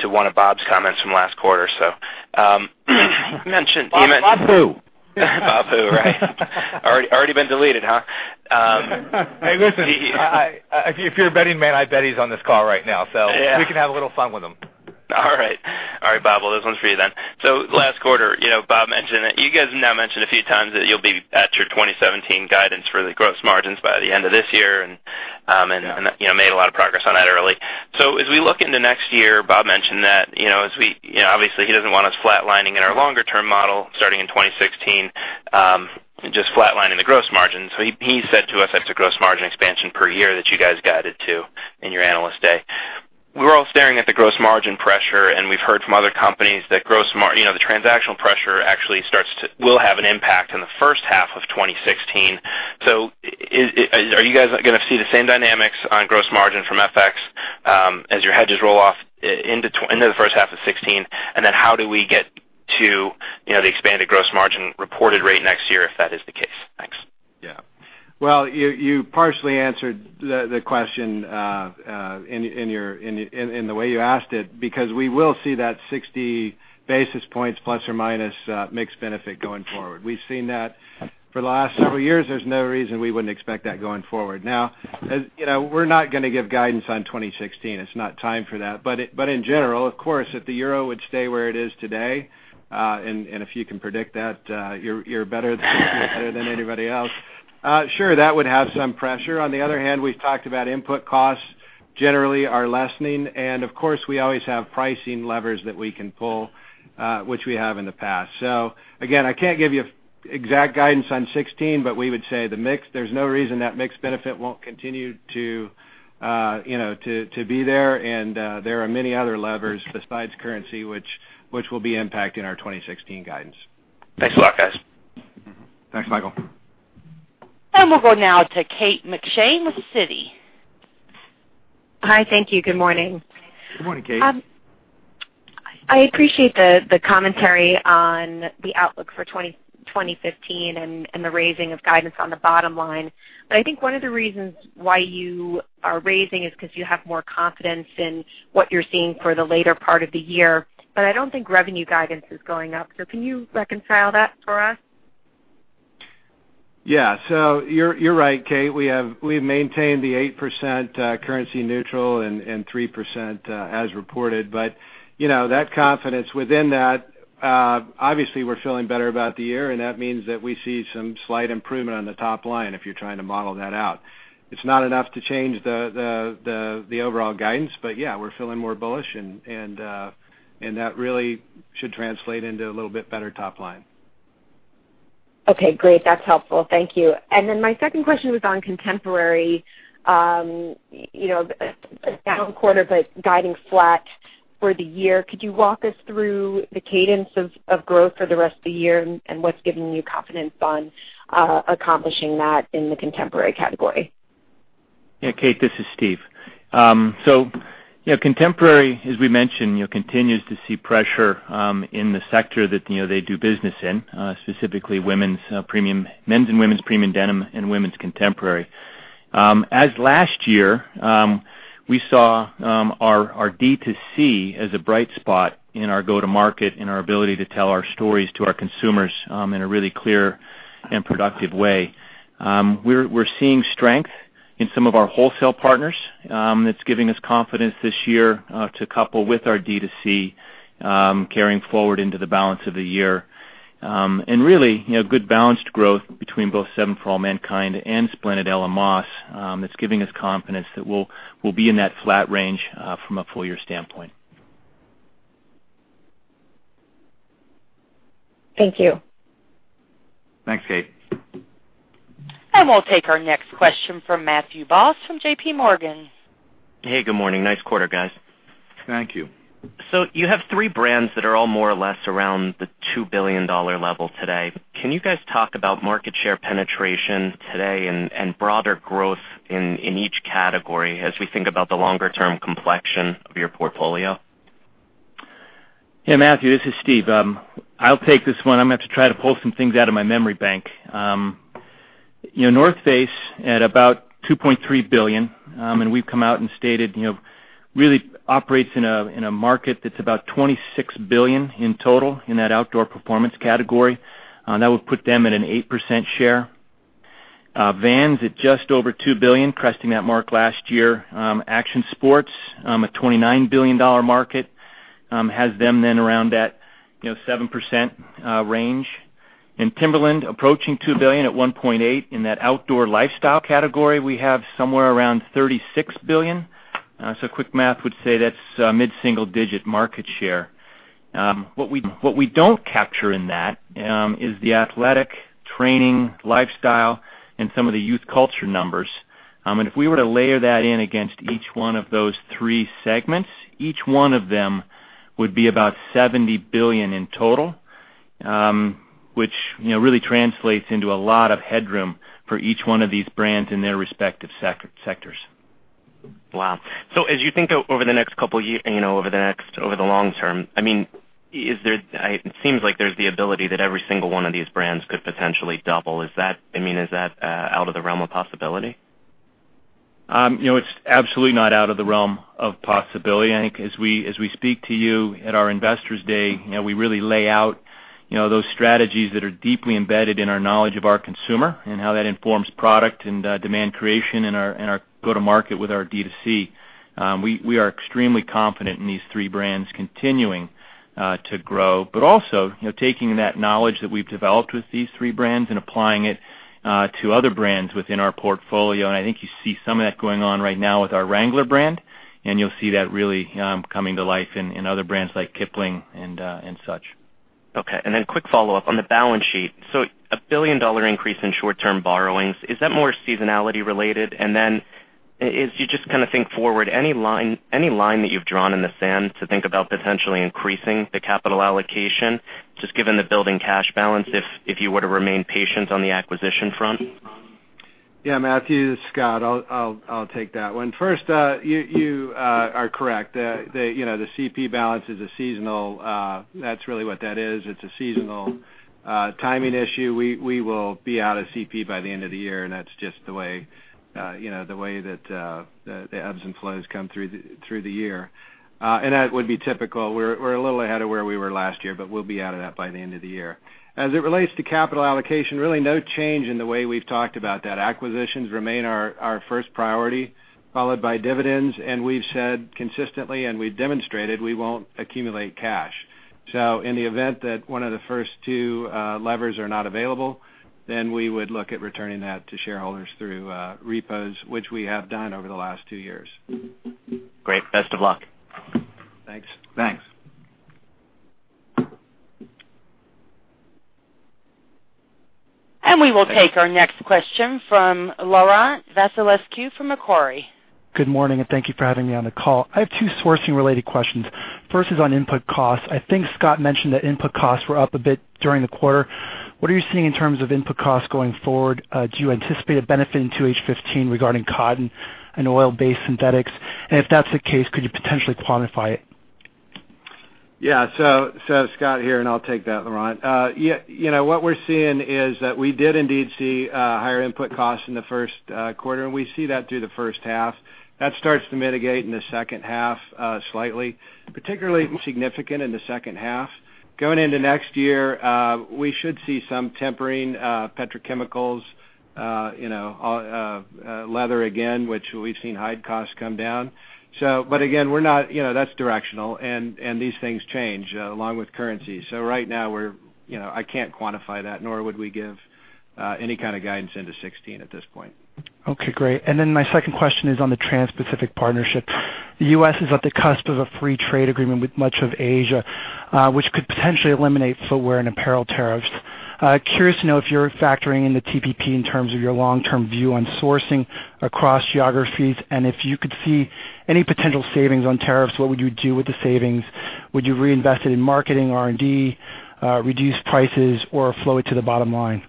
to one of Bob's comments from last quarter. Bob who? Bob who? Right. Already been deleted, huh? Hey, listen. If you're a betting man, I bet he's on this call right now. Yeah. We can have a little fun with him. All right. Bob, well, this one's for you then. Last quarter, Bob mentioned that you guys have now mentioned a few times that you'll be at your 2017 guidance for the gross margins by the end of this year. Yeah made a lot of progress on that early. As we look into next year, Bob mentioned that obviously he doesn't want us flatlining in our longer-term model, starting in 2016, just flatlining the gross margin. He said to us that's the gross margin expansion per year that you guys guided to in your Analyst Day. We're all staring at the gross margin pressure, we've heard from other companies that the transactional pressure actually will have an impact in the first half of 2016. Are you guys going to see the same dynamics on gross margin from FX as your hedges roll off into the first half of 2016? How do we get to the expanded gross margin reported rate next year if that is the case? Thanks. Yeah. Well, you partially answered the question in the way you asked it because we will see that 60 basis points plus or minus mix benefit going forward. We've seen that for the last several years. There's no reason we wouldn't expect that going forward. Now, we're not going to give guidance on 2016. It's not time for that. In general, of course, if the euro would stay where it is today, if you can predict that, you're better than anybody else. Sure, that would have some pressure. On the other hand, we've talked about input costs generally are lessening, of course, we always have pricing levers that we can pull, which we have in the past. Again, I can't give you exact guidance on 2016, but we would say the mix, there's no reason that mix benefit won't continue to be there. There are many other levers besides currency which will be impacting our 2016 guidance. Thanks a lot, guys. Thanks, Michael. We'll go now to Kate McShane with Citi. Hi. Thank you. Good morning. Good morning, Kate. I appreciate the commentary on the outlook for 2015 and the raising of guidance on the bottom line. I think one of the reasons why you are raising is because you have more confidence in what you're seeing for the later part of the year, but I don't think revenue guidance is going up. Can you reconcile that for us? Yeah. You're right, Kate. We've maintained the 8% currency neutral and 3% as reported. That confidence within that, obviously we're feeling better about the year, and that means that we see some slight improvement on the top line if you're trying to model that out. It's not enough to change the overall guidance, but yeah, we're feeling more bullish, and that really should translate into a little bit better top line. Okay, great. That's helpful. Thank you. My second question was on Contemporary. Down quarter but guiding flat for the year. Could you walk us through the cadence of growth for the rest of the year and what's giving you confidence on accomplishing that in the Contemporary category? Kate, this is Steve. Contemporary, as we mentioned, continues to see pressure in the sector that they do business in, specifically men's and women's premium denim and women's Contemporary. As last year, we saw our D2C as a bright spot in our go-to-market and our ability to tell our stories to our consumers in a really clear and productive way. We're seeing strength in some of our wholesale partners. That's giving us confidence this year to couple with our D2C carrying forward into the balance of the year. Really, good balanced growth between both 7 For All Mankind and Splendid Ella Moss. That's giving us confidence that we'll be in that flat range from a full-year standpoint. Thank you. Thanks, Kate. We'll take our next question from Matthew Boss from JPMorgan. Hey, good morning. Nice quarter, guys. Thank you. You have three brands that are all more or less around the $2 billion level today. Can you guys talk about market share penetration today and broader growth in each category as we think about the longer-term complexion of your portfolio? Yeah, Matthew, this is Steve. I'll take this one. I'm going to have to try to pull some things out of my memory bank. The North Face at about $2.3 billion, and we've come out and stated, really operates in a market that's about $26 billion in total in that outdoor performance category. That would put them at an 8% share. Vans at just over $2 billion, cresting that mark last year. Action Sports, a $29 billion market, has them then around that 7% range. In Timberland, approaching $2 billion at $1.8. In that outdoor lifestyle category, we have somewhere around $36 billion. Quick math would say that's mid-single digit market share. What we don't capture in that is the athletic training lifestyle and some of the youth culture numbers. If we were to layer that in against each one of those three segments, each one of them would be about $70 billion in total, which really translates into a lot of headroom for each one of these brands in their respective sectors. Wow. As you think over the long term, it seems like there's the ability that every single one of these brands could potentially double. Is that out of the realm of possibility? It's absolutely not out of the realm of possibility. I think as we speak to you at our Investors Day, we really lay out those strategies that are deeply embedded in our knowledge of our consumer and how that informs product and demand creation in our go-to-market with our D2C. We are extremely confident in these three brands continuing to grow, but also, taking that knowledge that we've developed with these three brands and applying it to other brands within our portfolio. I think you see some of that going on right now with our Wrangler brand, and you'll see that really coming to life in other brands like Kipling and such. Okay. Then quick follow-up on the balance sheet. A billion-dollar increase in short-term borrowings. Is that more seasonality related? Then as you just kind of think forward, any line that you've drawn in the sand to think about potentially increasing the capital allocation, just given the building cash balance, if you were to remain patient on the acquisition front? Matthew, this is Scott. I will take that one. First, you are correct. The CP balance is seasonal. That is really what that is. It is a seasonal timing issue. We will be out of CP by the end of the year, and that is just the way that the ebbs and flows come through the year. That would be typical. We are a little ahead of where we were last year, but we will be out of that by the end of the year. As it relates to capital allocation, really no change in the way we have talked about that. Acquisitions remain our first priority, followed by dividends, and we have said consistently, and we have demonstrated we will not accumulate cash. In the event that one of the first two levers are not available, then we would look at returning that to shareholders through repos, which we have done over the last two years. Great. Best of luck. Thanks. Thanks. We will take our next question from Laurent Vasilescu from Macquarie. Good morning, and thank you for having me on the call. I have two sourcing-related questions. First is on input costs. I think Scott mentioned that input costs were up a bit during the quarter. What are you seeing in terms of input costs going forward? Do you anticipate a benefit in 2H 2015 regarding cotton and oil-based synthetics? If that's the case, could you potentially quantify it? Scott here, and I'll take that, Laurent. What we're seeing is that we did indeed see higher input costs in the first quarter, and we see that through the first half. That starts to mitigate in the second half, slightly, particularly significant in the second half. Going into next year, we should see some tempering petrochemicals, leather again, which we've seen hide costs come down. Again, that's directional and these things change along with currency. Right now, I can't quantify that, nor would we give any kind of guidance into 2016 at this point. Okay, great. My second question is on the Trans-Pacific Partnership. The U.S. is at the cusp of a free trade agreement with much of Asia, which could potentially eliminate footwear and apparel tariffs. Curious to know if you're factoring in the TPP in terms of your long-term view on sourcing across geographies, and if you could see any potential savings on tariffs, what would you do with the savings? Would you reinvest it in marketing, R&D, reduce prices, or flow it to the bottom line?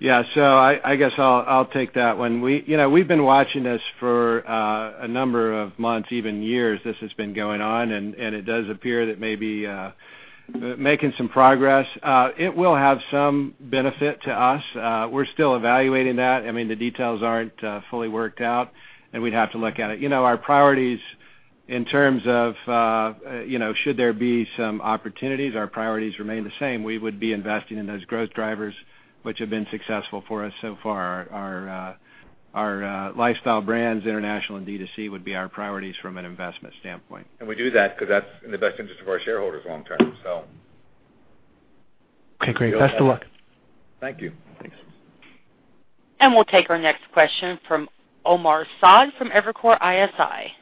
I guess I'll take that one. We've been watching this for a number of months, even years. This has been going on, and it does appear that maybe making some progress. It will have some benefit to us. We're still evaluating that. The details aren't fully worked out, and we'd have to look at it. Our priorities in terms of should there be some opportunities, our priorities remain the same. We would be investing in those growth drivers which have been successful for us so far. Our lifestyle brands, international, and D2C would be our priorities from an investment standpoint. We do that because that's in the best interest of our shareholders long term. Okay, great. Best of luck. Thank you. Thanks. We'll take our next question from Omar Saad from Evercore ISI.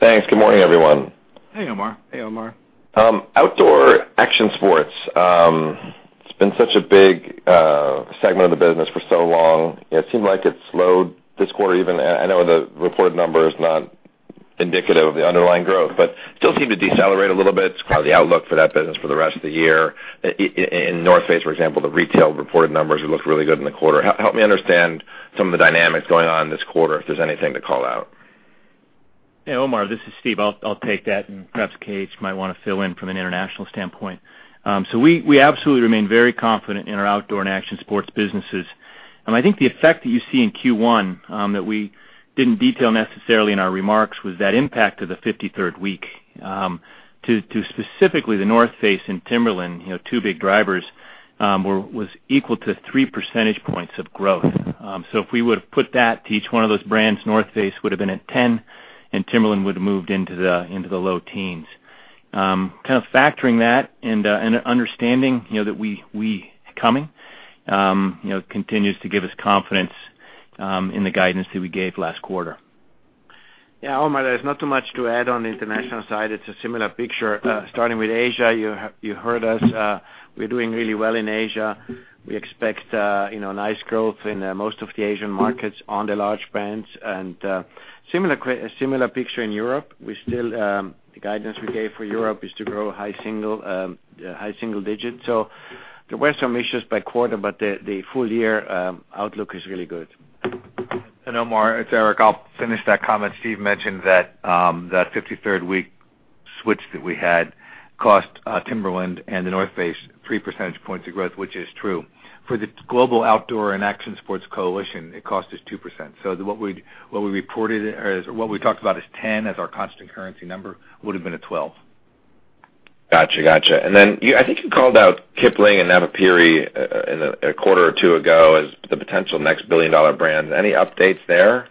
Thanks. Good morning, everyone. Hey, Omar. Hey, Omar. Outdoor and Action Sports. It's been such a big segment of the business for so long. It seemed like it slowed this quarter even. I know the reported number is not indicative of the underlying growth, but still seemed to decelerate a little bit. It's probably the outlook for that business for the rest of the year. In The North Face, for example, the retail reported numbers looked really good in the quarter. Help me understand some of the dynamics going on in this quarter, if there's anything to call out. Omar, this is Steve. I'll take that, and perhaps K.H. might want to fill in from an international standpoint. We absolutely remain very confident in our outdoor and action sports businesses. I think the effect that you see in Q1 that we didn't detail necessarily in our remarks was that impact of the 53rd week. To specifically The North Face and Timberland, two big drivers, was equal to three percentage points of growth. If we would've put that to each one of those brands, The North Face would've been at 10 Timberland would've moved into the low teens. Kind of factoring that and understanding that we coming continues to give us confidence in the guidance that we gave last quarter. Omar, there's not too much to add on the international side. It's a similar picture. Starting with Asia, you heard us, we're doing really well in Asia. We expect nice growth in most of the Asian markets on the large brands. A similar picture in Europe. The guidance we gave for Europe is to grow high single digits. There were some issues by quarter, but the full-year outlook is really good. Omar, it's Eric. I'll finish that comment. Steve mentioned that, the 53rd week switch that we had cost Timberland and The North Face three percentage points of growth, which is true. For the global outdoor and action sports coalition, it cost us 2%. What we talked about as 10 as our constant currency number would've been a 12. Got you. I think you called out Kipling and Napapijri a quarter or two ago as the potential next billion-dollar brand. Any updates there?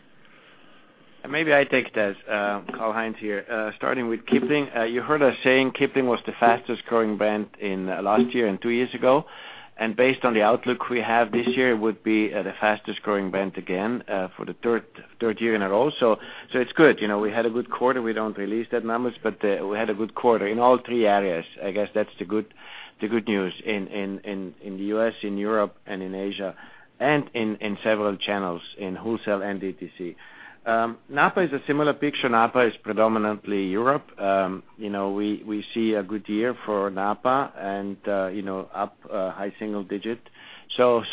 Maybe I take this. Karl Heinz here. Starting with Kipling. You heard us saying Kipling was the fastest-growing brand in last year and two years ago. Based on the outlook we have this year, it would be the fastest-growing brand again, for the third year in a row. It's good. We had a good quarter. We don't release that numbers, but we had a good quarter in all three areas. I guess that's the good news. In the U.S., in Europe, and in Asia, and in several channels, in wholesale and DTC. Napa is a similar picture. Napa is predominantly Europe. We see a good year for Napa and up high single digit. Yes,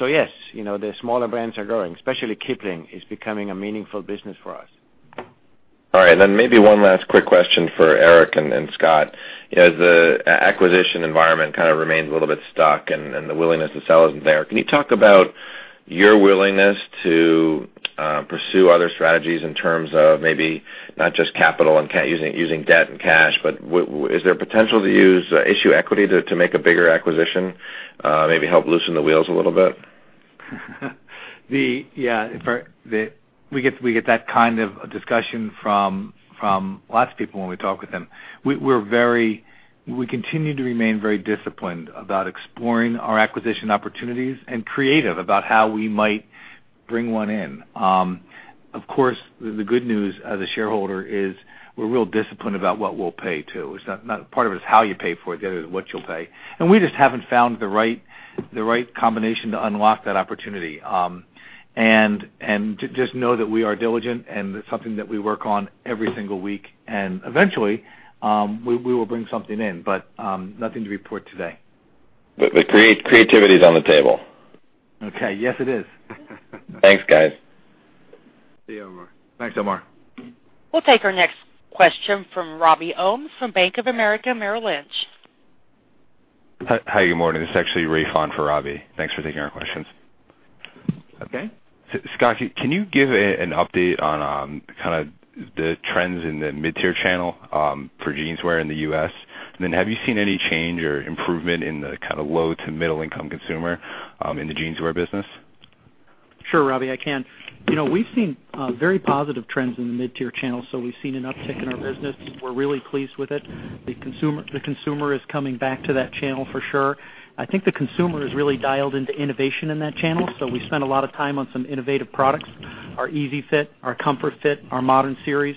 the smaller brands are growing, especially Kipling is becoming a meaningful business for us. All right, maybe one last quick question for Eric and Scott. As the acquisition environment kind of remains a little bit stuck and the willingness to sell isn't there, can you talk about your willingness to pursue other strategies in terms of maybe not just capital and using debt and cash, but is there potential to use issue equity to make a bigger acquisition? Maybe help loosen the wheels a little bit. Yeah. We get that kind of discussion from lots of people when we talk with them. We continue to remain very disciplined about exploring our acquisition opportunities and creative about how we might bring one in. Of course, the good news as a shareholder is we're real disciplined about what we'll pay, too. Part of it's how you pay for it, the other is what you'll pay. We just haven't found the right combination to unlock that opportunity. Just know that we are diligent, and it's something that we work on every single week. Eventually, we will bring something in, but nothing to report today. Creativity's on the table. Okay. Yes, it is. Thanks, guys. See you, Omar. Thanks, Omar. We'll take our next question from Robert Ohmes from Bank of America, Merrill Lynch. Hi. Good morning. This is actually Ray Han for Robbie. Thanks for taking our questions. Okay. Scott, can you give an update on the trends in the mid-tier channel for Jeanswear in the U.S.? Have you seen any change or improvement in the low to middle-income consumer in the Jeanswear business? Sure, Robbie, I can. We've seen very positive trends in the mid-tier channel. We've seen an uptick in our business. We're really pleased with it. The consumer is coming back to that channel for sure. I think the consumer has really dialed into innovation in that channel. We spent a lot of time on some innovative products. Our Easy Fit, our Comfort Fit, our Modern Series,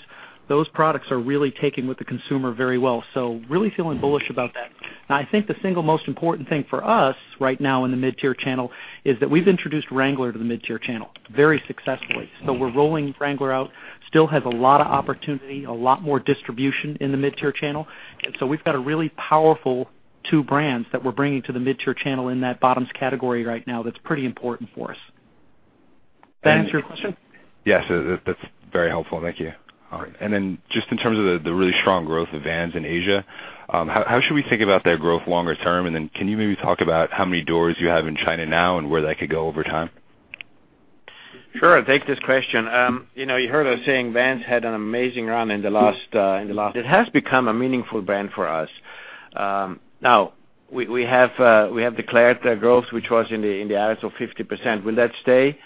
those products are really taking with the consumer very well. Really feeling bullish about that. Now, I think the single most important thing for us right now in the mid-tier channel is that we've introduced Wrangler to the mid-tier channel very successfully. We're rolling Wrangler out. Still has a lot of opportunity, a lot more distribution in the mid-tier channel. We've got a really powerful two brands that we're bringing to the mid-tier channel in that bottoms category right now that's pretty important for us. Does that answer your question? Yes. That's very helpful. Thank you. All right. In terms of the really strong growth of Vans in Asia, how should we think about that growth longer term? Can you maybe talk about how many doors you have in China now and where that could go over time? Sure. I'll take this question. You heard us saying Vans had an amazing run. It has become a meaningful brand for us. Now we have declared growth, which was in the areas of 50%. Will that stay?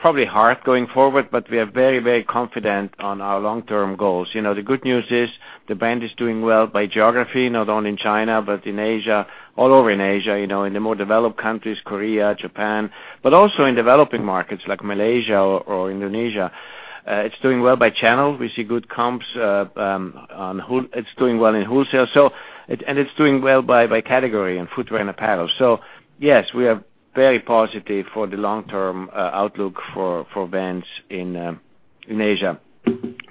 Probably hard going forward, but we are very confident on our long-term goals. The good news is the brand is doing well by geography, not only in China but in Asia, all over in Asia, in the more developed countries, Korea, Japan. Also in developing markets like Malaysia or Indonesia. It's doing well by channel. We see good comps. It's doing well in wholesale. It's doing well by category in footwear and apparel. Yes, we are very positive for the long-term outlook for Vans in Asia.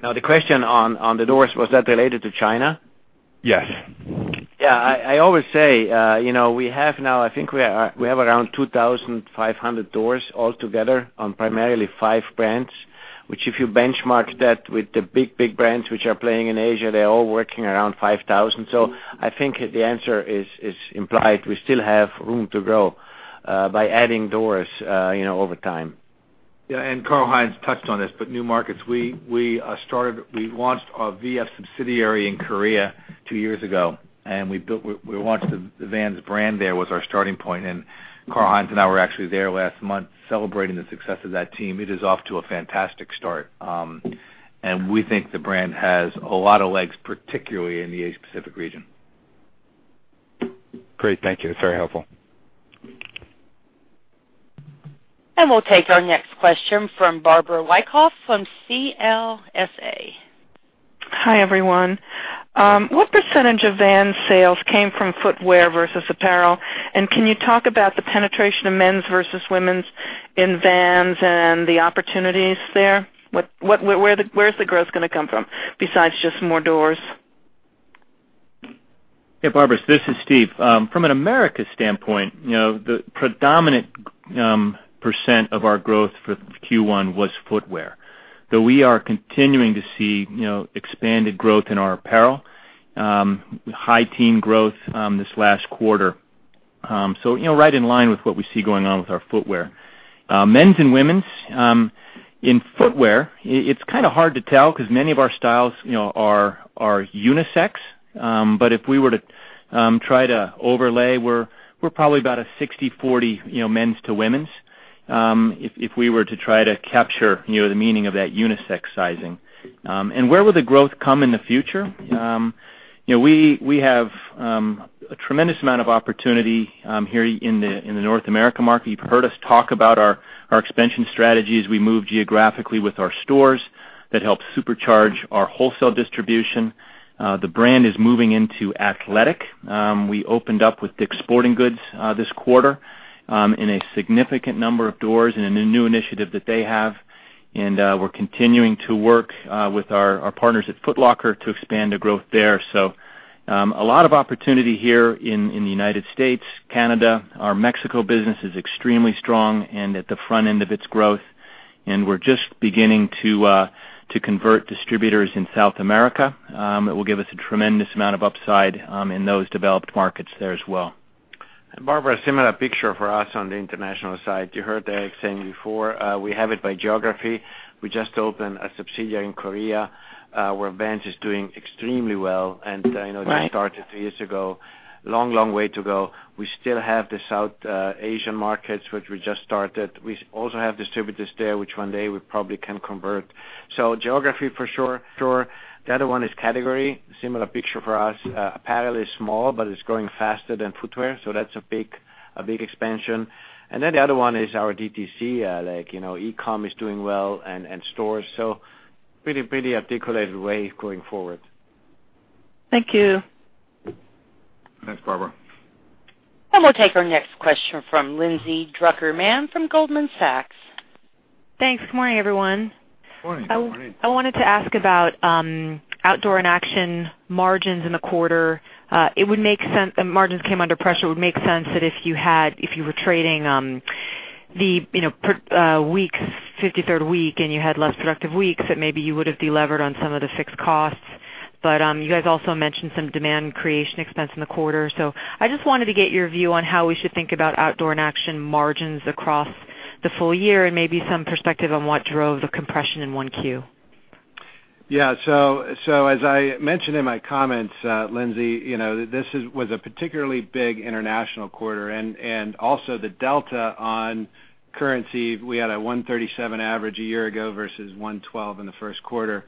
Now, the question on the doors, was that related to China? Yes. Yeah. I always say, I think we have around 2,500 doors altogether on primarily five brands. Which if you benchmark that with the big brands which are playing in Asia, they're all working around 5,000. I think the answer is implied. We still have room to grow by adding doors over time. Karl Heinz touched on this, but new markets, we launched a V.F. subsidiary in Korea two years ago. We launched the Vans brand there, was our starting point, and Karl Heinz and I were actually there last month celebrating the success of that team. It is off to a fantastic start. We think the brand has a lot of legs, particularly in the Asia Pacific region. Great. Thank you. That's very helpful. We'll take our next question from Barbara Wyckoff from CLSA. Hi, everyone. What % of Vans sales came from footwear versus apparel? Can you talk about the penetration of men's versus women's in Vans and the opportunities there? Where's the growth going to come from, besides just more doors? Barbara, this is Steve. From an Americas standpoint, the predominant % of our growth for Q1 was footwear, though we are continuing to see expanded growth in our apparel. High teen growth this last quarter. Right in line with what we see going on with our footwear. Men's and women's in footwear, it's kind of hard to tell because many of our styles are unisex. But if we were to try to overlay, we're probably about a 60/40 men's to women's, if we were to try to capture the meaning of that unisex sizing. Where will the growth come in the future? We have a tremendous amount of opportunity here in the North America market. You've heard us talk about our expansion strategies. We move geographically with our stores. That helps supercharge our wholesale distribution. The brand is moving into athletic. We opened up with Dick's Sporting Goods this quarter in a significant number of doors in a new initiative that they have. We're continuing to work with our partners at Foot Locker to expand the growth there. A lot of opportunity here in the U.S., Canada. Our Mexico business is extremely strong and at the front end of its growth. We're just beginning to convert distributors in South America. It will give us a tremendous amount of upside in those developed markets there as well. Barbara, a similar picture for us on the international side. You heard Eric saying before, we have it by geography. We just opened a subsidiary in Korea, where Vans is doing extremely well. They started two years ago. Long way to go. We still have the South Asian markets, which we just started. We also have distributors there, which one day we probably can convert. Geography, for sure. The other one is category. Similar picture for us. Apparel is small, but it's growing faster than footwear, so that's a big expansion. Then the other one is our DTC. E-com is doing well and stores. Pretty articulated way going forward. Thank you. Thanks, Barbara. We'll take our next question from Lindsay Drucker Mann from Goldman Sachs. Thanks. Good morning, everyone. Morning. Morning. I wanted to ask about Outdoor and Action margins in the quarter. Margins came under pressure. It would make sense that if you were trading the week, fifty-third week, and you had less productive weeks, that maybe you would have delevered on some of the fixed costs. You guys also mentioned some demand creation expense in the quarter. I just wanted to get your view on how we should think about Outdoor and Action margins across the full year and maybe some perspective on what drove the compression in 1Q. As I mentioned in my comments, Lindsay, this was a particularly big international quarter. Also the delta on currency, we had a 137 average a year ago versus 112 in the first quarter.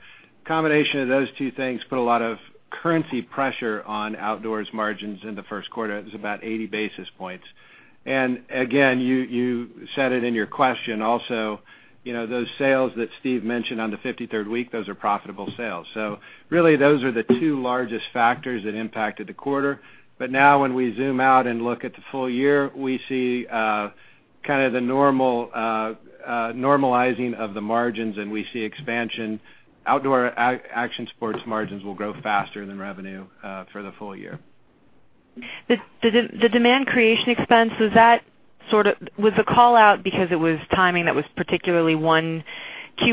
Combination of those two things put a lot of currency pressure on Outdoors margins in the first quarter. It was about 80 basis points. Again, you said it in your question also, those sales that Steve mentioned on the fifty-third week, those are profitable sales. Really those are the two largest factors that impacted the quarter. Now when we zoom out and look at the full year, we see kind of the normalizing of the margins, and we see expansion. Outdoor Action Sports margins will grow faster than revenue for the full year. The demand creation expense, was the call out because it was timing that was particularly 1Q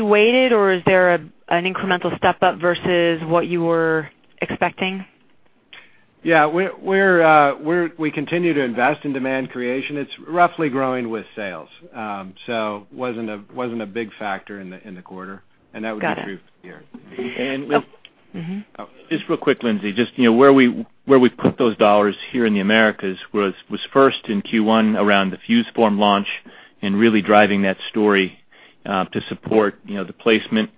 weighted, or is there an incremental step up versus what you were expecting? Yeah. We continue to invest in demand creation. It's roughly growing with sales. Wasn't a big factor in the quarter. Got it. That would be true for the year. Just real quick, Lindsay, just where we put those dollars here in the Americas was first in Q1 around the FuseForm launch and really driving that story to support the placement.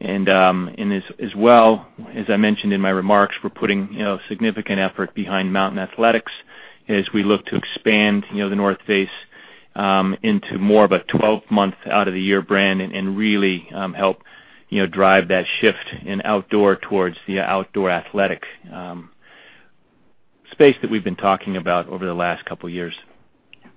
As well, as I mentioned in my remarks, we're putting significant effort behind Mountain Athletics as we look to expand The North Face into more of a 12-month out of the year brand and really help drive that shift in outdoor towards the outdoor athletic space that we've been talking about over the last couple of years.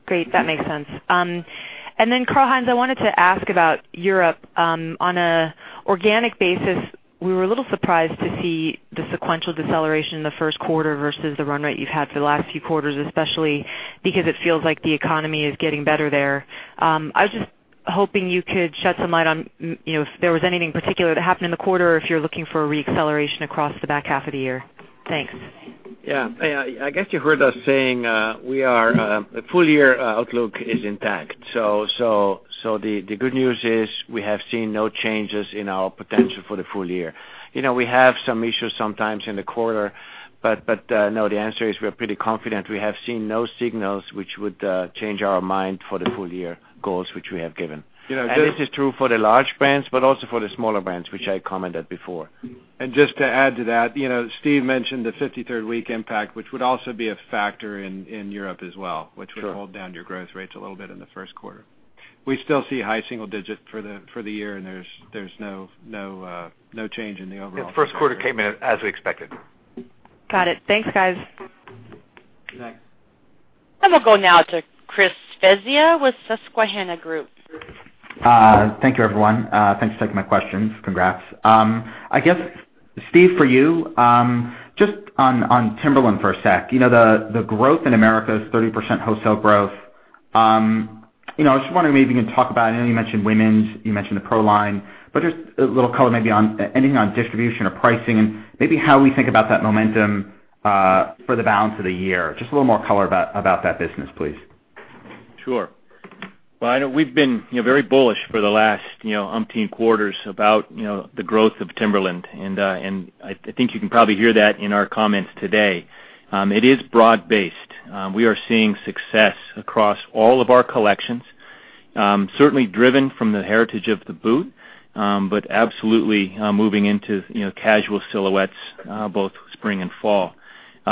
Great. That makes sense. Karl Heinz, I wanted to ask about Europe. On an organic basis, we were a little surprised to see the sequential deceleration in the first quarter versus the run rate you've had for the last few quarters especially because it feels like the economy is getting better there. I was just hoping you could shed some light on if there was anything particular that happened in the quarter, or if you're looking for a re-acceleration across the back half of the year. Thanks. Yeah. I guess you heard us saying the full year outlook is intact. The good news is we have seen no changes in our potential for the full year. We have some issues sometimes in the quarter. No, the answer is we're pretty confident. We have seen no signals which would change our mind for the full-year goals which we have given. This is true for the large brands, but also for the smaller brands, which I commented before. Just to add to that, Steve mentioned the 53rd week impact, which would also be a factor in Europe as well. Sure. Which would hold down your growth rates a little bit in the first quarter. We still see high single digit for the year, there's no change in the. Yeah, first quarter came in as we expected. Got it. Thanks, guys. Next. We'll go now to Chris Svezia with Susquehanna Group. Thank you, everyone. Thanks for taking my questions. Congrats. I guess, Steve, for you, just on Timberland for a sec. The growth in America is 30% wholesale growth. I was just wondering maybe you can talk about, I know you mentioned women's, you mentioned the PRO line, but just a little color maybe on anything on distribution or pricing and maybe how we think about that momentum for the balance of the year. Just a little more color about that business, please. Sure. Well, I know we've been very bullish for the last umpteen quarters about the growth of Timberland. I think you can probably hear that in our comments today. It is broad-based. We are seeing success across all of our collections. Certainly driven from the heritage of the boot. Absolutely moving into casual silhouettes, both spring and fall.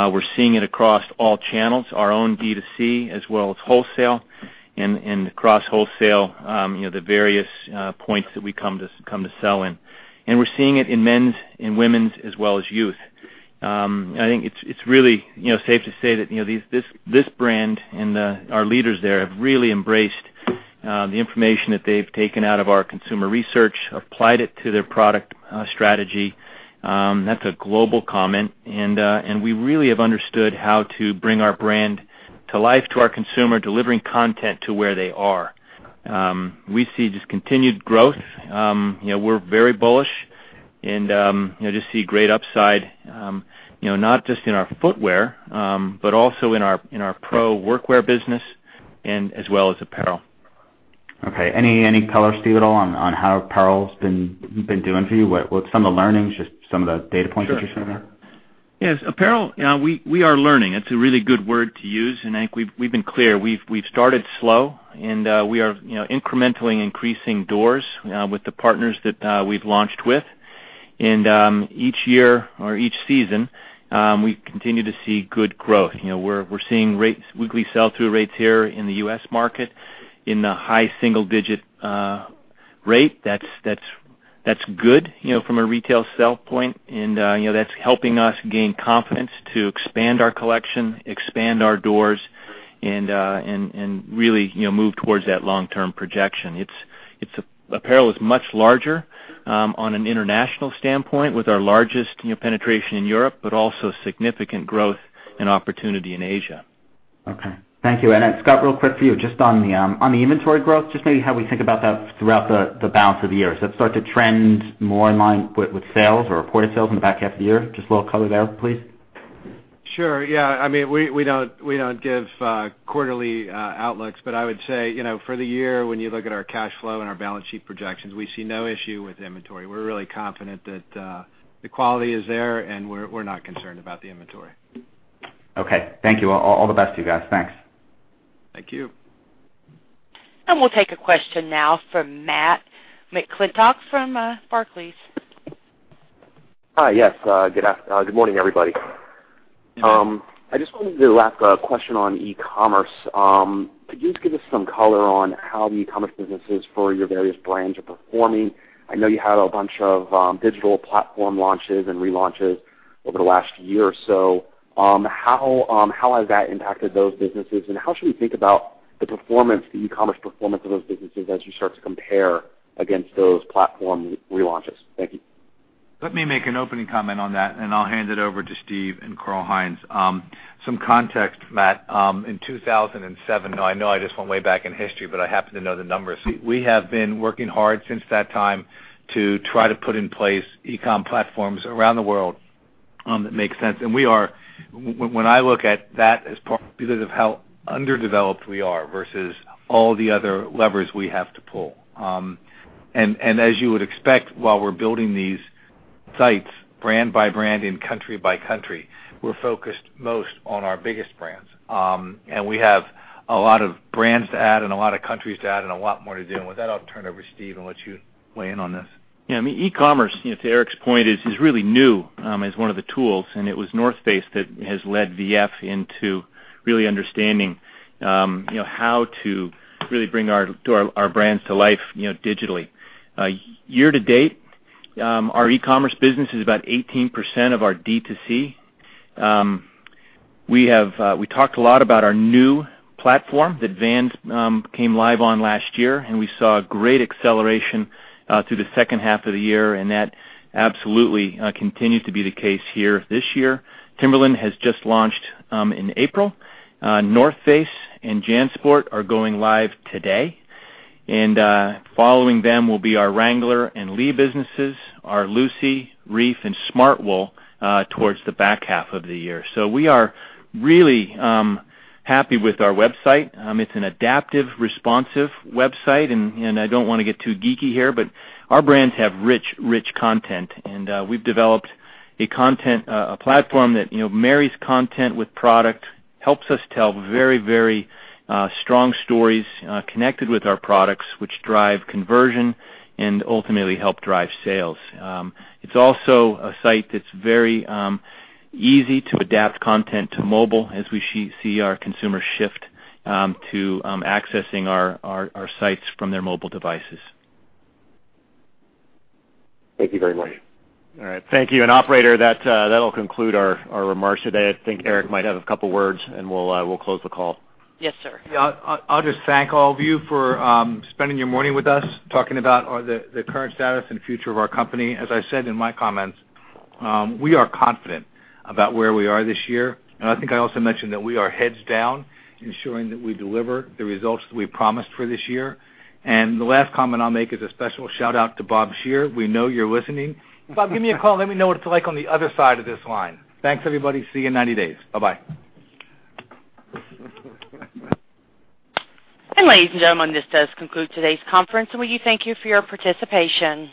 We're seeing it across all channels, our own D2C, as well as wholesale, and across wholesale, the various points that we come to sell in. We're seeing it in men's and women's as well as youth. I think it's really safe to say that this brand and our leaders there have really embraced the information that they've taken out of our consumer research, applied it to their product strategy. That's a global comment, we really have understood how to bring our brand to life, to our consumer, delivering content to where they are. We see just continued growth. We're very bullish and just see great upside, not just in our footwear, but also in our PRO workwear business and as well as apparel. Okay. Any color, Steve, at all, on how apparel's been doing for you? What's some of the learnings, just some of the data points that you're seeing there? Sure. Yes, apparel, we are learning. It's a really good word to use, and I think we've been clear. We've started slow, and we are incrementally increasing doors with the partners that we've launched with. Each year or each season, we continue to see good growth. We're seeing weekly sell-through rates here in the U.S. market in the high single-digit rate. That's good from a retail sell point. That's helping us gain confidence to expand our collection, expand our doors and really move towards that long-term projection. Apparel is much larger on an international standpoint with our largest penetration in Europe, but also significant growth and opportunity in Asia. Okay. Thank you. Scott, real quick for you, just on the inventory growth, just maybe how we think about that throughout the balance of the year. Does that start to trend more in line with sales or reported sales in the back half of the year? Just a little color there, please. Sure. Yeah. We don't give quarterly outlooks, but I would say, for the year, when you look at our cash flow and our balance sheet projections, we see no issue with inventory. We're really confident that the quality is there, and we're not concerned about the inventory. Okay. Thank you. All the best to you guys. Thanks. Thank you. We'll take a question now from Matthew McClintock from Barclays. Hi. Yes. Good morning, everybody. Good morning. I just wanted to ask a question on e-commerce. Could you just give us some color on how the e-commerce businesses for your various brands are performing? I know you had a bunch of digital platform launches and relaunches over the last year or so. How has that impacted those businesses, and how should we think about the performance, the e-commerce performance of those businesses as you start to compare against those platform relaunches? Thank you. Let me make an opening comment on that, I'll hand it over to Steve Rendle and Karl Heinz Salzburger. Some context, Matt. In 2007, now I know I just went way back in history, but I happen to know the numbers. We have been working hard since that time to try to put in place e-commerce platforms around the world that make sense. When I look at that as part because of how underdeveloped we are versus all the other levers we have to pull. As you would expect, while we're building these sites brand by brand and country by country, we're focused most on our biggest brands. We have a lot of brands to add and a lot of countries to add and a lot more to do. With that, I'll turn it over to Steve Rendle and let you weigh in on this. Yeah. E-commerce, to Eric Wiseman's point, is really new as one of the tools, it was The North Face that has led VF into really understanding how to really bring our brands to life digitally. Year to date, our e-commerce business is about 18% of our D2C. We talked a lot about our new platform that Vans came live on last year, we saw a great acceleration through the second half of the year, that absolutely continues to be the case here this year. Timberland has just launched in April. The North Face and JanSport are going live today. Following them will be our Wrangler and Lee businesses, our Lucy, Reef and Smartwool towards the back half of the year. We are really happy with our website. It's an adaptive, responsive website, I don't want to get too geeky here, but our brands have rich content, and we've developed a platform that marries content with product, helps us tell very strong stories connected with our products, which drive conversion and ultimately help drive sales. It's also a site that's very easy to adapt content to mobile as we see our consumers shift to accessing our sites from their mobile devices. Thank you very much. All right. Thank you. Operator, that'll conclude our remarks today. I think Eric might have a couple of words, and we'll close the call. Yes, sir. Yeah. I'll just thank all of you for spending your morning with us, talking about the current status and future of our company. As I said in my comments, we are confident about where we are this year. I think I also mentioned that we are heads down ensuring that we deliver the results that we promised for this year. The last comment I'll make is a special shout-out to Bob Shearer. We know you're listening. Bob, give me a call, let me know what it's like on the other side of this line. Thanks, everybody. See you in 90 days. Bye-bye. Ladies and gentlemen, this does conclude today's conference, and we thank you for your participation.